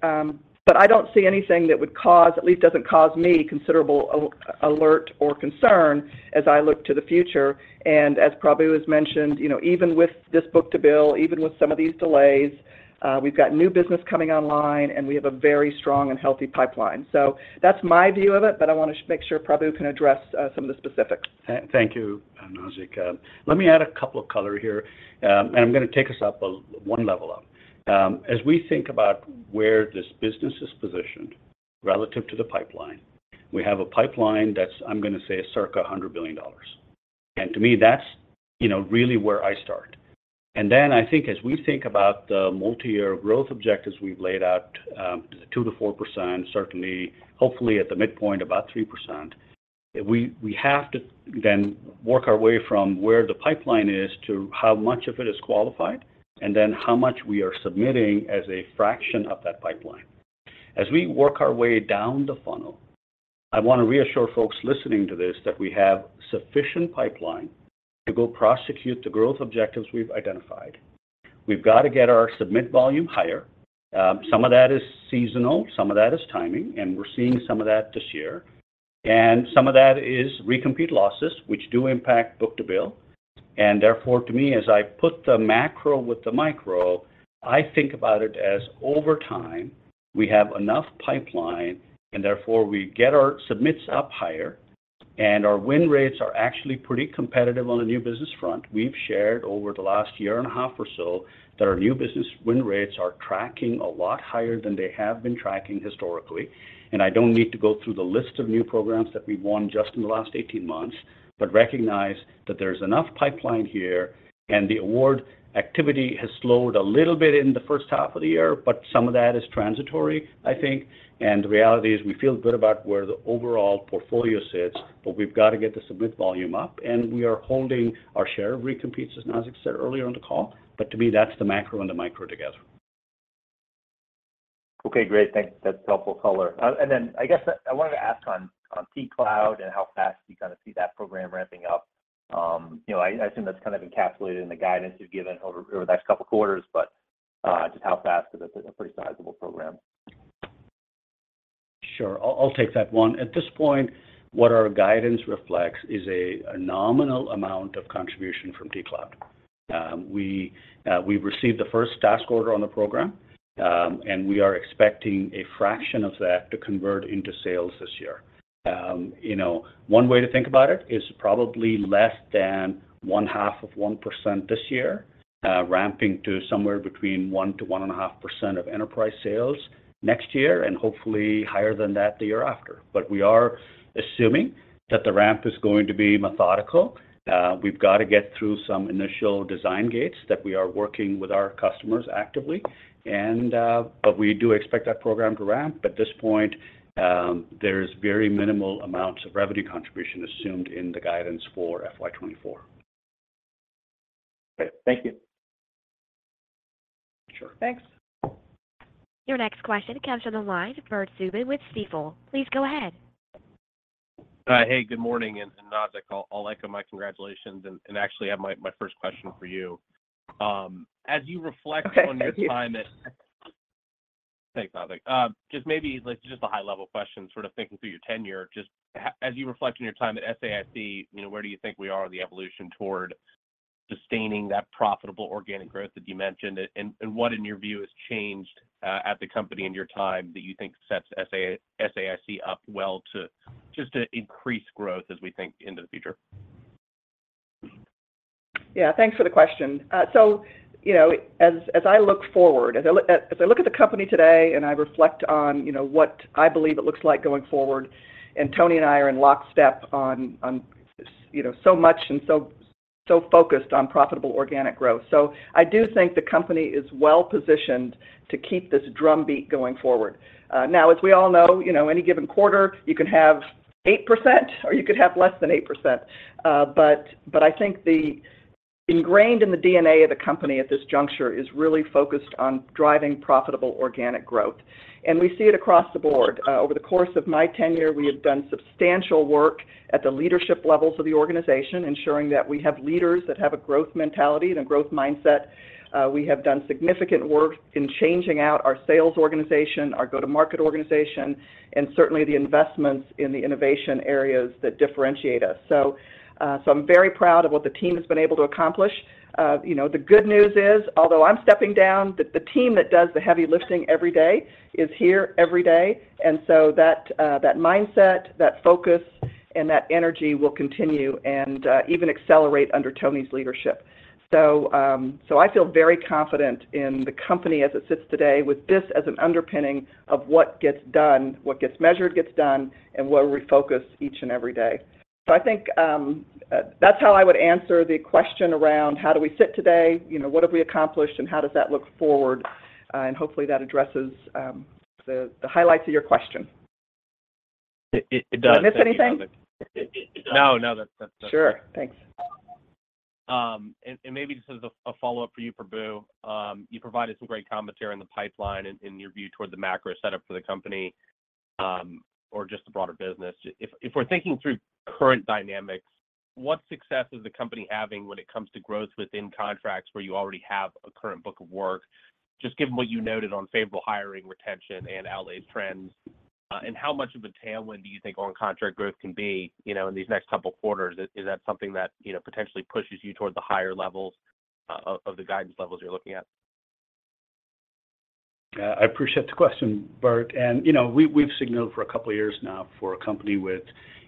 Speaker 3: but I don't see anything that would cause, at least doesn't cause me, considerable alert or concern as I look to the future. And as Prabu has mentioned, you know, even with this book-to-bill, even with some of these delays, we've got new business coming online, and we have a very strong and healthy pipeline. So that's my view of it, but I wanna make sure Prabu can address some of the specifics.
Speaker 4: Thank you, Nazzic. Let me add a couple of color here, and I'm gonna take us up, one level up. As we think about where this business is positioned relative to the pipeline, we have a pipeline that's, I'm gonna say, circa $100 billion. And to me, that's, you know, really where I start. And then I think as we think about the multi-year growth objectives we've laid out, 2%-4%, certainly, hopefully at the midpoint, about 3%, we have to then work our way from where the pipeline is to how much of it is qualified, and then how much we are submitting as a fraction of that pipeline. As we work our way down the funnel, I wanna reassure folks listening to this that we have sufficient pipeline to go prosecute the growth objectives we've identified. We've got to get our submit volume higher. Some of that is seasonal, some of that is timing, and we're seeing some of that this year. Some of that is recompete losses, which do impact book-to-bill, and therefore, to me, as I put the macro with the micro, I think about it as over time, we have enough pipeline, and therefore we get our submits up higher, and our win rates are actually pretty competitive on the new business front. We've shared over the last year and a half or so that our new business win rates are tracking a lot higher than they have been tracking historically. I don't need to go through the list of new programs that we've won just in the last 18 months, but recognize that there's enough pipeline here, and the award activity has slowed a little bit in the first half of the year, but some of that is transitory, I think. The reality is, we feel good about where the overall portfolio sits, but we've got to get the submit volume up, and we are holding our share of re-competes, as Nazzic said earlier on the call. To me, that's the macro and the micro together.
Speaker 8: Okay, great. Thanks. That's helpful color. And then I guess I wanted to ask on T-Cloud and how fast you kinda see that program ramping up. You know, I assume that's kind of encapsulated in the guidance you've given over the next couple of quarters, but just how fast is it? It's a pretty sizable program.
Speaker 4: Sure. I'll take that one. At this point, what our guidance reflects is a nominal amount of contribution from T-Cloud. We've received the first task order on the program, and we are expecting a fraction of that to convert into sales this year. You know, one way to think about it is probably less than 0.5% this year, ramping to somewhere between 1%-1.5% of enterprise sales next year, and hopefully higher than that the year after. But we are assuming that the ramp is going to be methodical. We've got to get through some initial design gates that we are working with our customers actively, and but we do expect that program to ramp. At this point, there's very minimal amounts of revenue contribution assumed in the guidance for FY 2024.
Speaker 8: Great. Thank you.
Speaker 4: Sure.
Speaker 3: Thanks.
Speaker 1: Your next question comes from the line of Bert Subin with Stifel. Please go ahead.
Speaker 9: Hey, good morning, and Nazzic, I'll echo my congratulations, and actually have my first question for you. As you reflect-
Speaker 3: Okay, thank you....
Speaker 9: on your time at- Thanks, Nazzic. Just maybe, like, just a high-level question, sort of thinking through your tenure, as you reflect on your time at SAIC, you know, where do you think we are in the evolution toward sustaining that profitable organic growth that you mentioned? And what, in your view, has changed at the company in your time that you think sets SAIC up well to just to increase growth as we think into the future?
Speaker 3: Yeah, thanks for the question. So, you know, as I look forward, as I look at the company today and I reflect on, you know, what I believe it looks like going forward, and Toni and I are in lockstep on, you know, so much and so focused on profitable organic growth. So I do think the company is well-positioned to keep this drumbeat going forward. Now, as we all know, you know, any given quarter, you can have 8%, or you could have less than 8%. But I think the ingrained in the DNA of the company at this juncture is really focused on driving profitable organic growth, and we see it across the board. Over the course of my tenure, we have done substantial work at the leadership levels of the organization, ensuring that we have leaders that have a growth mentality and a growth mindset. We have done significant work in changing out our sales organization, our go-to-market organization, and certainly the investments in the innovation areas that differentiate us. So, so I'm very proud of what the team has been able to accomplish. You know, the good news is, although I'm stepping down, the team that does the heavy lifting every day is here every day. And so that mindset, that focus, and that energy will continue and even accelerate under Toni's leadership. So, so I feel very confident in the company as it sits today with this as an underpinning of what gets done, what gets measured, gets done, and where we focus each and every day. So I think, that's how I would answer the question around how do we sit today, you know, what have we accomplished, and how does that look forward? And hopefully, that addresses, the highlights of your question.
Speaker 9: It does.
Speaker 3: Did I miss anything?
Speaker 9: No, no. That's
Speaker 3: Sure. Thanks.
Speaker 9: And maybe just as a follow-up for you, Prabu. You provided some great commentary on the pipeline and your view toward the macro setup for the company, or just the broader business. If we're thinking through current dynamics, what success is the company having when it comes to growth within contracts where you already have a current book of work? Just given what you noted on favorable hiring, retention, and outlays trends, and how much of a tailwind do you think on contract growth can be, you know, in these next couple of quarters? Is that something that, you know, potentially pushes you toward the higher levels of the guidance levels you're looking at?
Speaker 4: Yeah, I appreciate the question, Bert. And, you know, we've signaled for a couple of years now for a company with,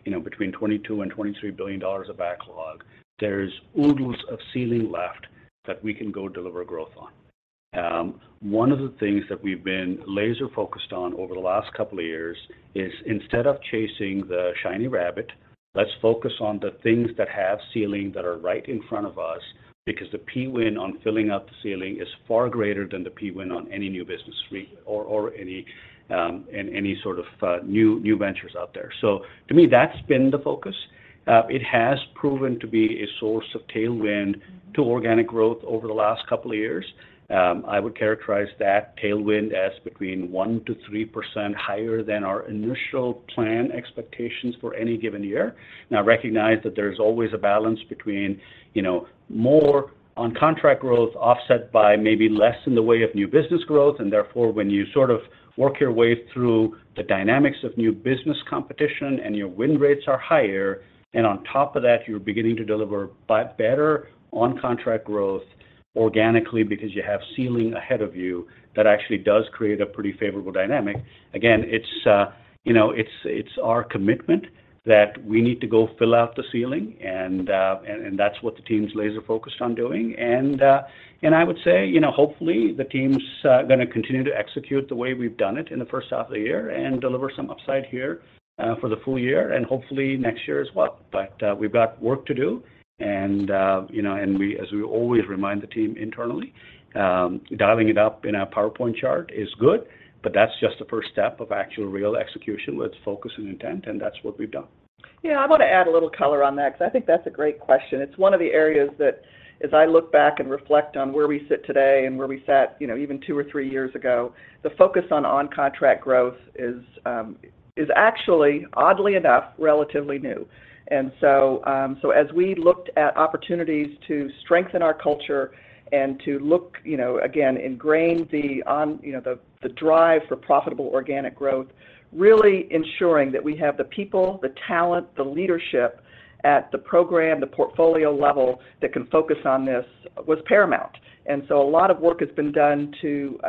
Speaker 4: you know, between $22 billion and $23 billion of backlog. There's oodles of ceiling left that we can go deliver growth on. One of the things that we've been laser-focused on over the last couple of years is instead of chasing the shiny rabbit, let's focus on the things that have ceiling that are right in front of us, because the PWin on filling up the ceiling is far greater than the PWin on any new business pursuit or any sort of new ventures out there. So to me, that's been the focus. It has proven to be a source of tailwind to organic growth over the last couple of years. I would characterize that tailwind as between 1%-3% higher than our initial plan expectations for any given year. Now, recognize that there's always a balance between, you know, more on contract growth, offset by maybe less in the way of new business growth, and therefore, when you sort of work your way through the dynamics of new business competition and your win rates are higher, and on top of that, you're beginning to deliver by better on contract growth organically because you have ceiling ahead of you, that actually does create a pretty favorable dynamic. Again, it's, you know, it's, it's our commitment that we need to go fill out the ceiling, and, and, and that's what the team is laser-focused on doing. I would say, you know, hopefully, the team's gonna continue to execute the way we've done it in the first half of the year and deliver some upside here for the full year and hopefully next year as well. But, we've got work to do, and, you know, as we always remind the team internally, dialing it up in a PowerPoint chart is good, but that's just the first step of actual, real execution with focus and intent, and that's what we've done.
Speaker 3: Yeah, I want to add a little color on that because I think that's a great question. It's one of the areas that as I look back and reflect on where we sit today and where we sat, you know, even two or three years ago, the focus on-contract growth is actually, oddly enough, relatively new. And so as we looked at opportunities to strengthen our culture and to look, you know, again, ingrain you know, the drive for profitable organic growth, really ensuring that we have the people, the talent, the leadership at the program, the portfolio level that can focus on this was paramount. And so a lot of work has been done to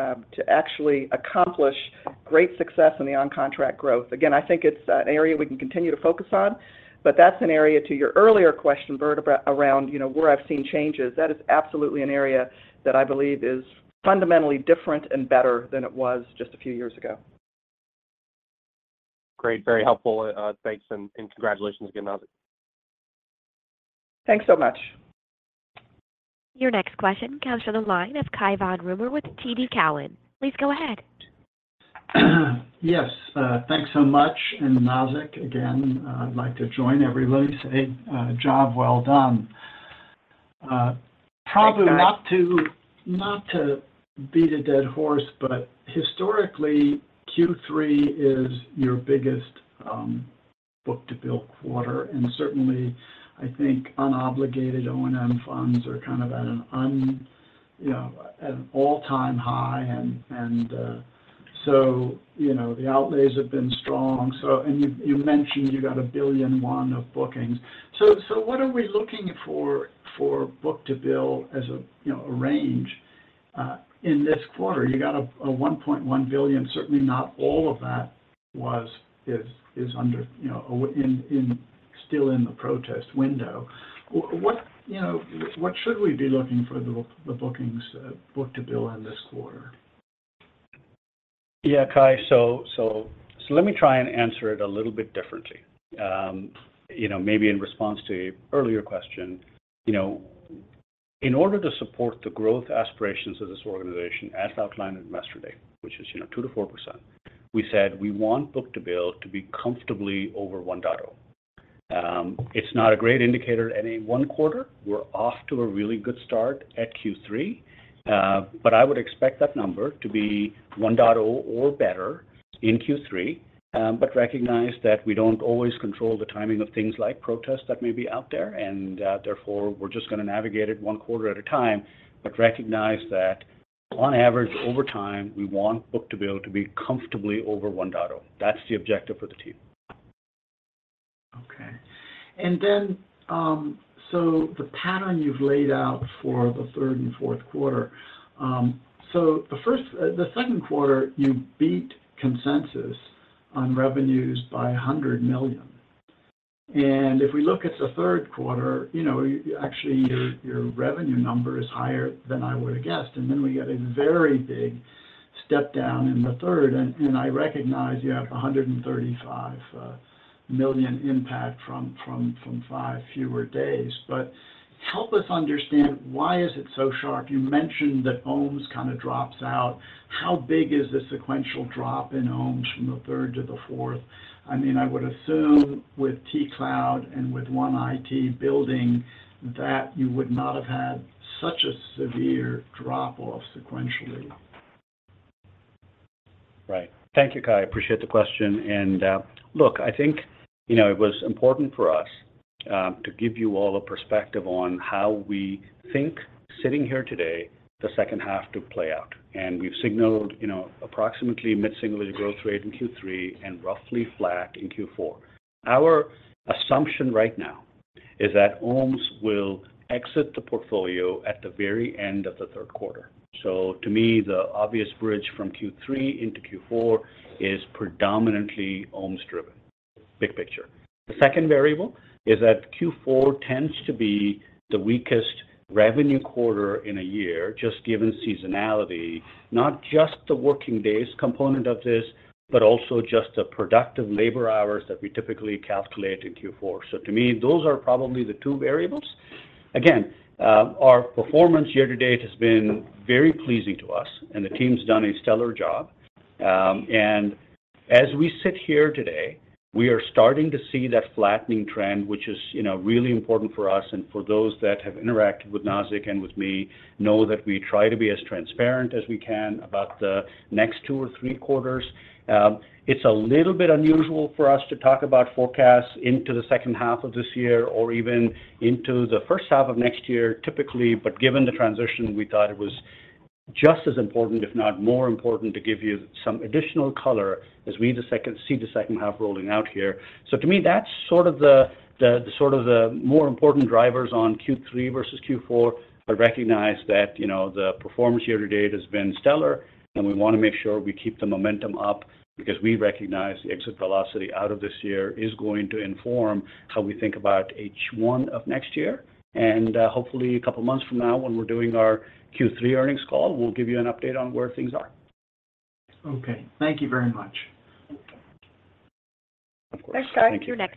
Speaker 3: actually accomplish great success in the on-contract growth. Again, I think it's an area we can continue to focus on, but that's an area to your earlier question, Bert, around, you know, where I've seen changes. That is absolutely an area that I believe is fundamentally different and better than it was just a few years ago.
Speaker 9: Great, very helpful. Thanks, and, and congratulations again, Nazzic.
Speaker 3: Thanks so much.
Speaker 1: Your next question comes from the line of Cai von Rumohr with TD Cowen. Please go ahead.
Speaker 10: Yes, thanks so much. And Nazzic, again, I'd like to join everybody say, job well done.
Speaker 3: Thank you.
Speaker 10: Prabu, not to beat a dead horse, but historically, Q3 is your biggest book-to-bill quarter, and certainly, I think unobligated O&M funds are kind of at an all-time high, and so, you know, the outlays have been strong. So, you mentioned you got $1.1 billion of bookings. So, what are we looking for for book-to-bill as a range in this quarter? You got a $1.1 billion. Certainly not all of that was, is under, you know, in still in the protest window. What should we be looking for the bookings, book-to-bill in this quarter?
Speaker 4: Yeah, Cai. So let me try and answer it a little bit differently. You know, maybe in response to an earlier question, you know. In order to support the growth aspirations of this organization, as outlined in Investor Day, which is, you know, 2%-4%, we said we want book-to-bill to be comfortably over 1.0. It's not a great indicator at any one quarter. We're off to a really good start at Q3, but I would expect that number to be 1.0 or better in Q3. But recognize that we don't always control the timing of things like protests that may be out there, and therefore, we're just gonna navigate it one quarter at a time. But recognize that on average, over time, we want book-to-bill to be comfortably over 1.0. That's the objective for the team.
Speaker 10: Okay. And then, so the pattern you've laid out for the third and fourth quarter, so the first, the second quarter, you beat consensus on revenues by $100 million. And if we look at the third quarter, you know, actually, your, your revenue number is higher than I would have guessed, and then we get a very big step down in the third. And, and I recognize you have $135 million impact from, from, from 5 fewer days. But help us understand, why is it so sharp? You mentioned that OMES kind of drops out. How big is the sequential drop in OMES from the third to the fourth? I mean, I would assume with T-Cloud and with One IT building, that you would not have had such a severe drop-off sequentially.
Speaker 4: Right. Thank you, Cai. I appreciate the question, and, look, I think, you know, it was important for us to give you all a perspective on how we think, sitting here today, the second half to play out. And we've signaled, you know, approximately mid-single growth rate in Q3 and roughly flat in Q4. Our assumption right now is that OMES will exit the portfolio at the very end of the third quarter. So to me, the obvious bridge from Q3 into Q4 is predominantly OMES-driven. Big picture. The second variable is that Q4 tends to be the weakest revenue quarter in a year, just given seasonality, not just the working days component of this, but also just the productive labor hours that we typically calculate in Q4. So to me, those are probably the two variables. Again, our performance year to date has been very pleasing to us, and the team's done a stellar job. And as we sit here today, we are starting to see that flattening trend, which is, you know, really important for us and for those that have interacted with Nazzic and with me, know that we try to be as transparent as we can about the next two or three quarters. It's a little bit unusual for us to talk about forecasts into the second half of this year or even into the first half of next year, typically, but given the transition, we thought it was just as important, if not more important, to give you some additional color as we see the second half rolling out here. So to me, that's sort of the more important drivers on Q3 versus Q4. I recognize that, you know, the performance year to date has been stellar, and we want to make sure we keep the momentum up because we recognize the exit velocity out of this year is going to inform how we think about H1 of next year. And hopefully, a couple of months from now, when we're doing our Q3 earnings call, we'll give you an update on where things are.
Speaker 10: Okay. Thank you very much.
Speaker 4: Of course.
Speaker 1: We're sorry.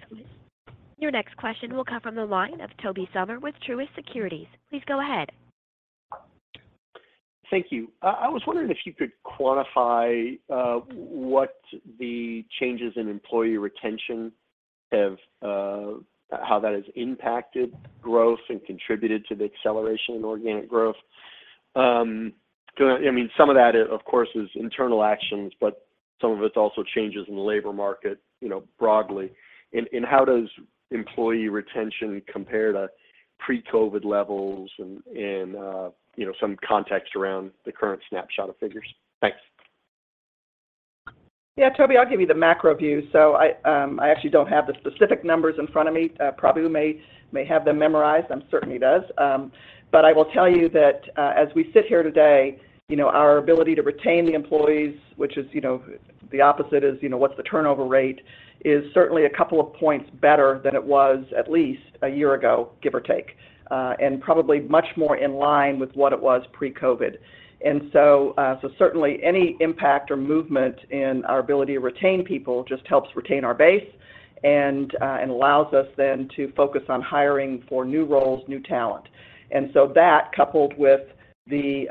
Speaker 1: Your next question will come from the line of Toby Sommer with Truist Securities. Please go ahead.
Speaker 11: Thank you. I was wondering if you could quantify what the changes in employee retention have. How that has impacted growth and contributed to the acceleration in organic growth. So, I mean, some of that, of course, is internal actions, but some of it's also changes in the labor market, you know, broadly. And you know, some context around the current snapshot of figures? Thanks.
Speaker 3: Yeah, Toby, I'll give you the macro view. So I, I actually don't have the specific numbers in front of me. Prabu may have them memorized. I'm certain he does. But I will tell you that, as we sit here today, you know, our ability to retain the employees, which is, you know, the opposite is, you know, what's the turnover rate, is certainly a couple of points better than it was at least a year ago, give or take, and probably much more in line with what it was pre-COVID. And so certainly, any impact or movement in our ability to retain people just helps retain our base and allows us then to focus on hiring for new roles, new talent. And so that, coupled with the,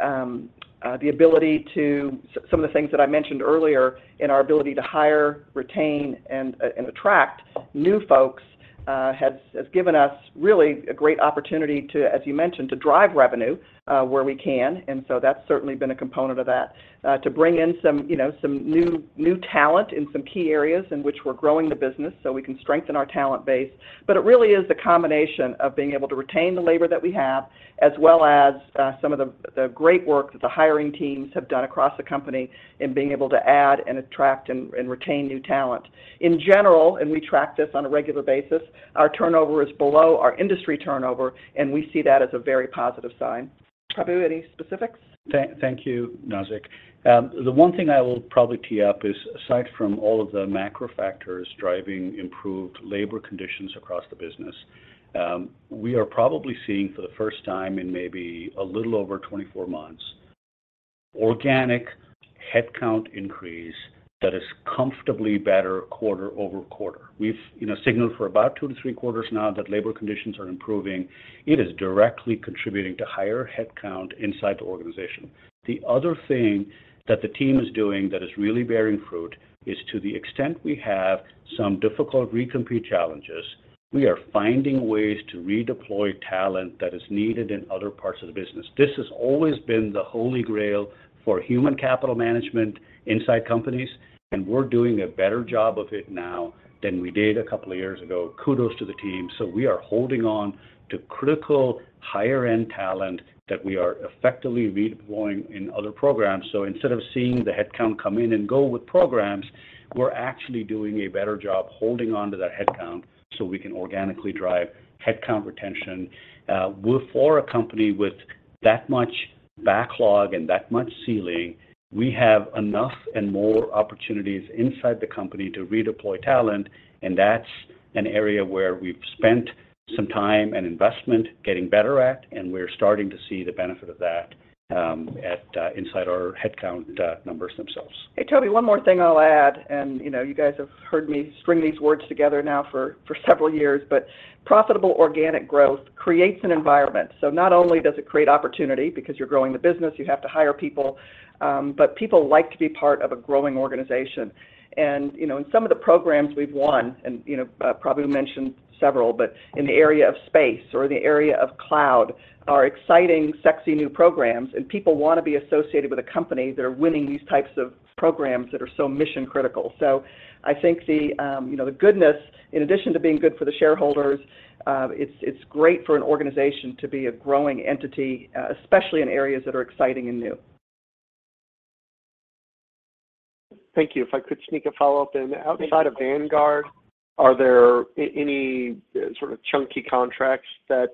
Speaker 3: the ability to... Some of the things that I mentioned earlier in our ability to hire, retain, and attract new folks has given us really a great opportunity to, as you mentioned, to drive revenue where we can. And so that's certainly been a component of that to bring in some, you know, some new talent in some key areas in which we're growing the business, so we can strengthen our talent base. But it really is the combination of being able to retain the labor that we have, as well as some of the great work that the hiring teams have done across the company in being able to add and attract and retain new talent. In general, and we track this on a regular basis, our turnover is below our industry turnover, and we see that as a very positive sign. Prabu, any specifics?
Speaker 4: Thank you, Nazzic. The one thing I will probably tee up is, aside from all of the macro factors driving improved labor conditions across the business, we are probably seeing for the first time in maybe a little over 24 months organic headcount increase that is comfortably better quarter over quarter. We've, you know, signaled for about two to three quarters now that labor conditions are improving. It is directly contributing to higher headcount inside the organization. The other thing that the team is doing that is really bearing fruit is to the extent we have some difficult recompete challenges, we are finding ways to redeploy talent that is needed in other parts of the business. This has always been the holy grail for human capital management inside companies, and we're doing a better job of it now than we did a couple of years ago. Kudos to the team. So we are holding on to critical higher-end talent that we are effectively redeploying in other programs. So instead of seeing the headcount come in and go with programs, we're actually doing a better job holding on to that headcount, so we can organically drive headcount retention. We're, for a company with that much backlog and that much ceiling, we have enough and more opportunities inside the company to redeploy talent, and that's an area where we've spent some time and investment getting better at, and we're starting to see the benefit of that, at inside our headcount numbers themselves.
Speaker 3: Hey, Toni, one more thing I'll add, and you know, you guys have heard me string these words together now for, for several years, but profitable organic growth creates an environment. So not only does it create opportunity because you're growing the business, you have to hire people, but people like to be part of a growing organization. And, you know, in some of the programs we've won, and, you know, Prabu mentioned several, but in the area of space or in the area of cloud, are exciting, sexy, new programs, and people want to be associated with a company that are winning these types of programs that are so mission-critical. I think, you know, the goodness, in addition to being good for the shareholders, it's great for an organization to be a growing entity, especially in areas that are exciting and new.
Speaker 11: Thank you. If I could sneak a follow-up in. Outside of Vanguard, are there any sort of chunky contracts that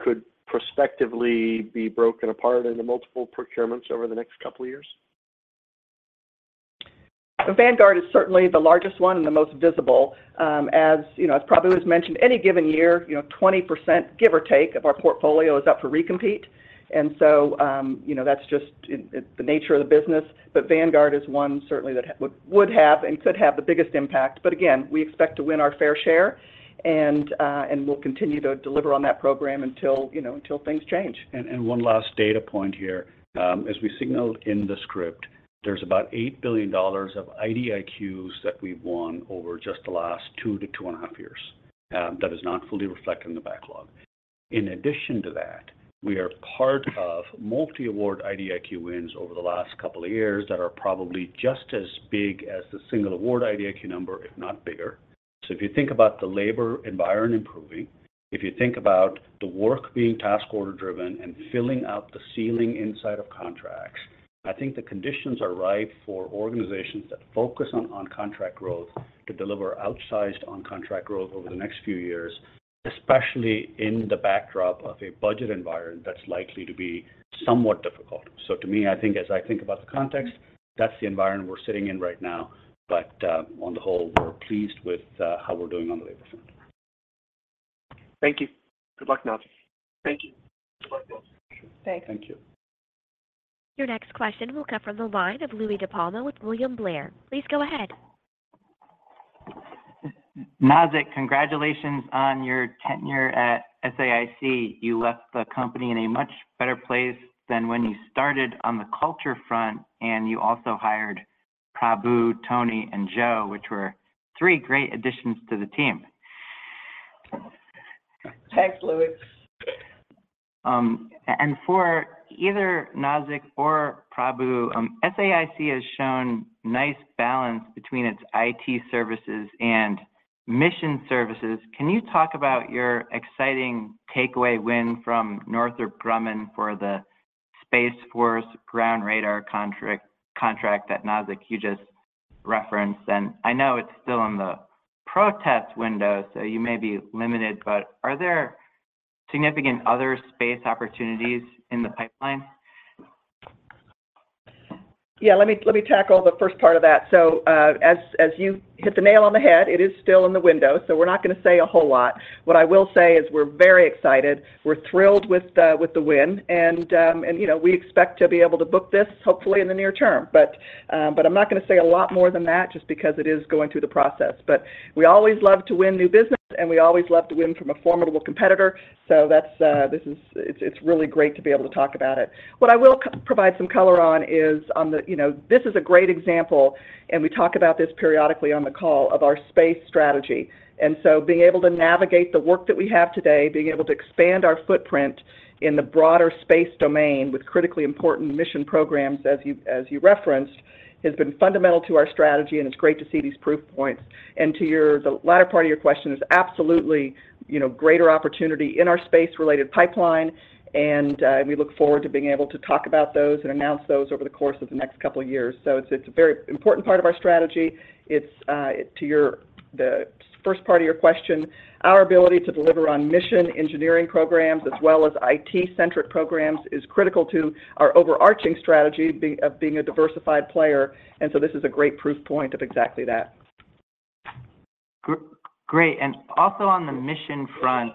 Speaker 11: could prospectively be broken apart into multiple procurements over the next couple of years?
Speaker 3: Vanguard is certainly the largest one and the most visible. As you know, as Prabu has mentioned, any given year, you know, 20%, give or take, of our portfolio is up for recompete. And so, you know, that's just it, it's the nature of the business. But Vanguard is one certainly that would have and could have the biggest impact. But again, we expect to win our fair share, and we'll continue to deliver on that program until, you know, until things change.
Speaker 4: And one last data point here. As we signaled in the script, there's about $8 billion of IDIQs that we've won over just the last 2 to 2.5 years, that is not fully reflected in the backlog. In addition to that, we are part of multi-award IDIQ wins over the last couple of years that are probably just as big as the single award IDIQ number, if not bigger. If you think about the labor environment improving, if you think about the work being task order driven and filling out the ceiling inside of contracts, I think the conditions are right for organizations that focus on on-contract growth to deliver outsized on-contract growth over the next few years, especially in the backdrop of a budget environment that's likely to be somewhat difficult. So to me, I think as I think about the context, that's the environment we're sitting in right now, but on the whole, we're pleased with how we're doing on the labor front.
Speaker 11: Thank you. Good luck, Nazzic. Thank you.
Speaker 3: Thanks.
Speaker 4: Thank you.
Speaker 1: Your next question will come from the line of Louis DiPalma with William Blair. Please go ahead.
Speaker 12: Nazzic, congratulations on your tenure at SAIC. You left the company in a much better place than when you started on the culture front, and you also hired Prabu, Toni, and Joe, which were three great additions to the team.
Speaker 3: Thanks, Louis.
Speaker 12: For either Nazzic or Prabu, SAIC has shown nice balance between its IT services and mission services. Can you talk about your exciting takeaway win from Northrop Grumman for the Space Force ground radar contract, contract that, Nazzic, you just referenced? And I know it's still in the protest window, so you may be limited, but are there significant other space opportunities in the pipeline?
Speaker 3: Yeah, let me tackle the first part of that. So, as you hit the nail on the head, it is still in the window, so we're not going to say a whole lot. What I will say is we're very excited, we're thrilled with the win, and, you know, we expect to be able to book this hopefully in the near term. But I'm not going to say a lot more than that just because it is going through the process. But we always love to win new business, and we always love to win from a formidable competitor. So that's – this is it’s really great to be able to talk about it. What I will provide some color on is, you know, this is a great example, and we talk about this periodically on the call of our space strategy. So being able to navigate the work that we have today, being able to expand our footprint in the broader space domain with critically important mission programs, as you referenced, has been fundamental to our strategy, and it's great to see these proof points. To the latter part of your question is absolutely, you know, greater opportunity in our space-related pipeline, and we look forward to being able to talk about those and announce those over the course of the next couple of years. So it's a very important part of our strategy. It's to the first part of your question, our ability to deliver on mission engineering programs as well as IT-centric programs is critical to our overarching strategy of being a diversified player, and so this is a great proof point of exactly that.
Speaker 12: Great. And also on the mission front,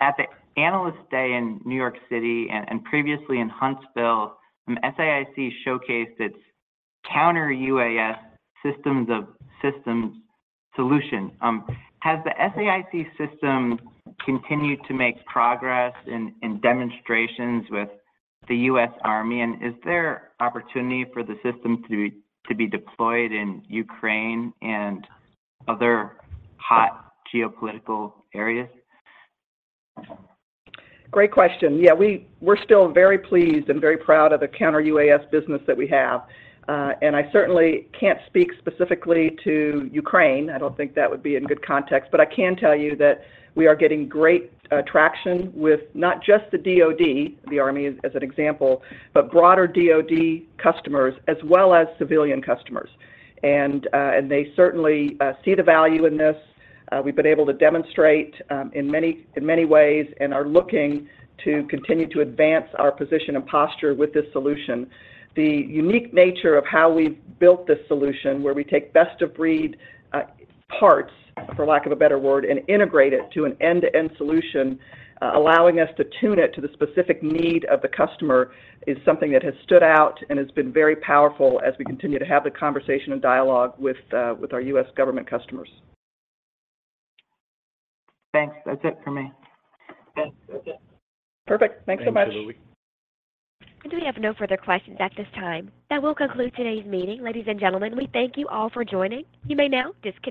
Speaker 12: at the Analyst Day in New York City and previously in Huntsville, SAIC showcased its Counter-UAS systems of systems solution. Has the SAIC system continued to make progress in demonstrations with the U.S. Army? And is there opportunity for the system to be deployed in Ukraine and other hot geopolitical areas?
Speaker 3: Great question. Yeah, we're still very pleased and very proud of the Counter-UAS business that we have. And I certainly can't speak specifically to Ukraine. I don't think that would be in good context, but I can tell you that we are getting great traction with not just the DoD, the Army as an example, but broader DoD customers, as well as civilian customers. And they certainly see the value in this. We've been able to demonstrate in many ways and are looking to continue to advance our position and posture with this solution. The unique nature of how we've built this solution, where we take best of breed, parts, for lack of a better word, and integrate it to an end-to-end solution, allowing us to tune it to the specific need of the customer, is something that has stood out and has been very powerful as we continue to have the conversation and dialogue with our U.S. government customers.
Speaker 12: Thanks. That's it for me.
Speaker 3: Perfect. Thanks so much.
Speaker 1: We have no further questions at this time. That will conclude today's meeting. Ladies and gentlemen, we thank you all for joining. You may now disconnect.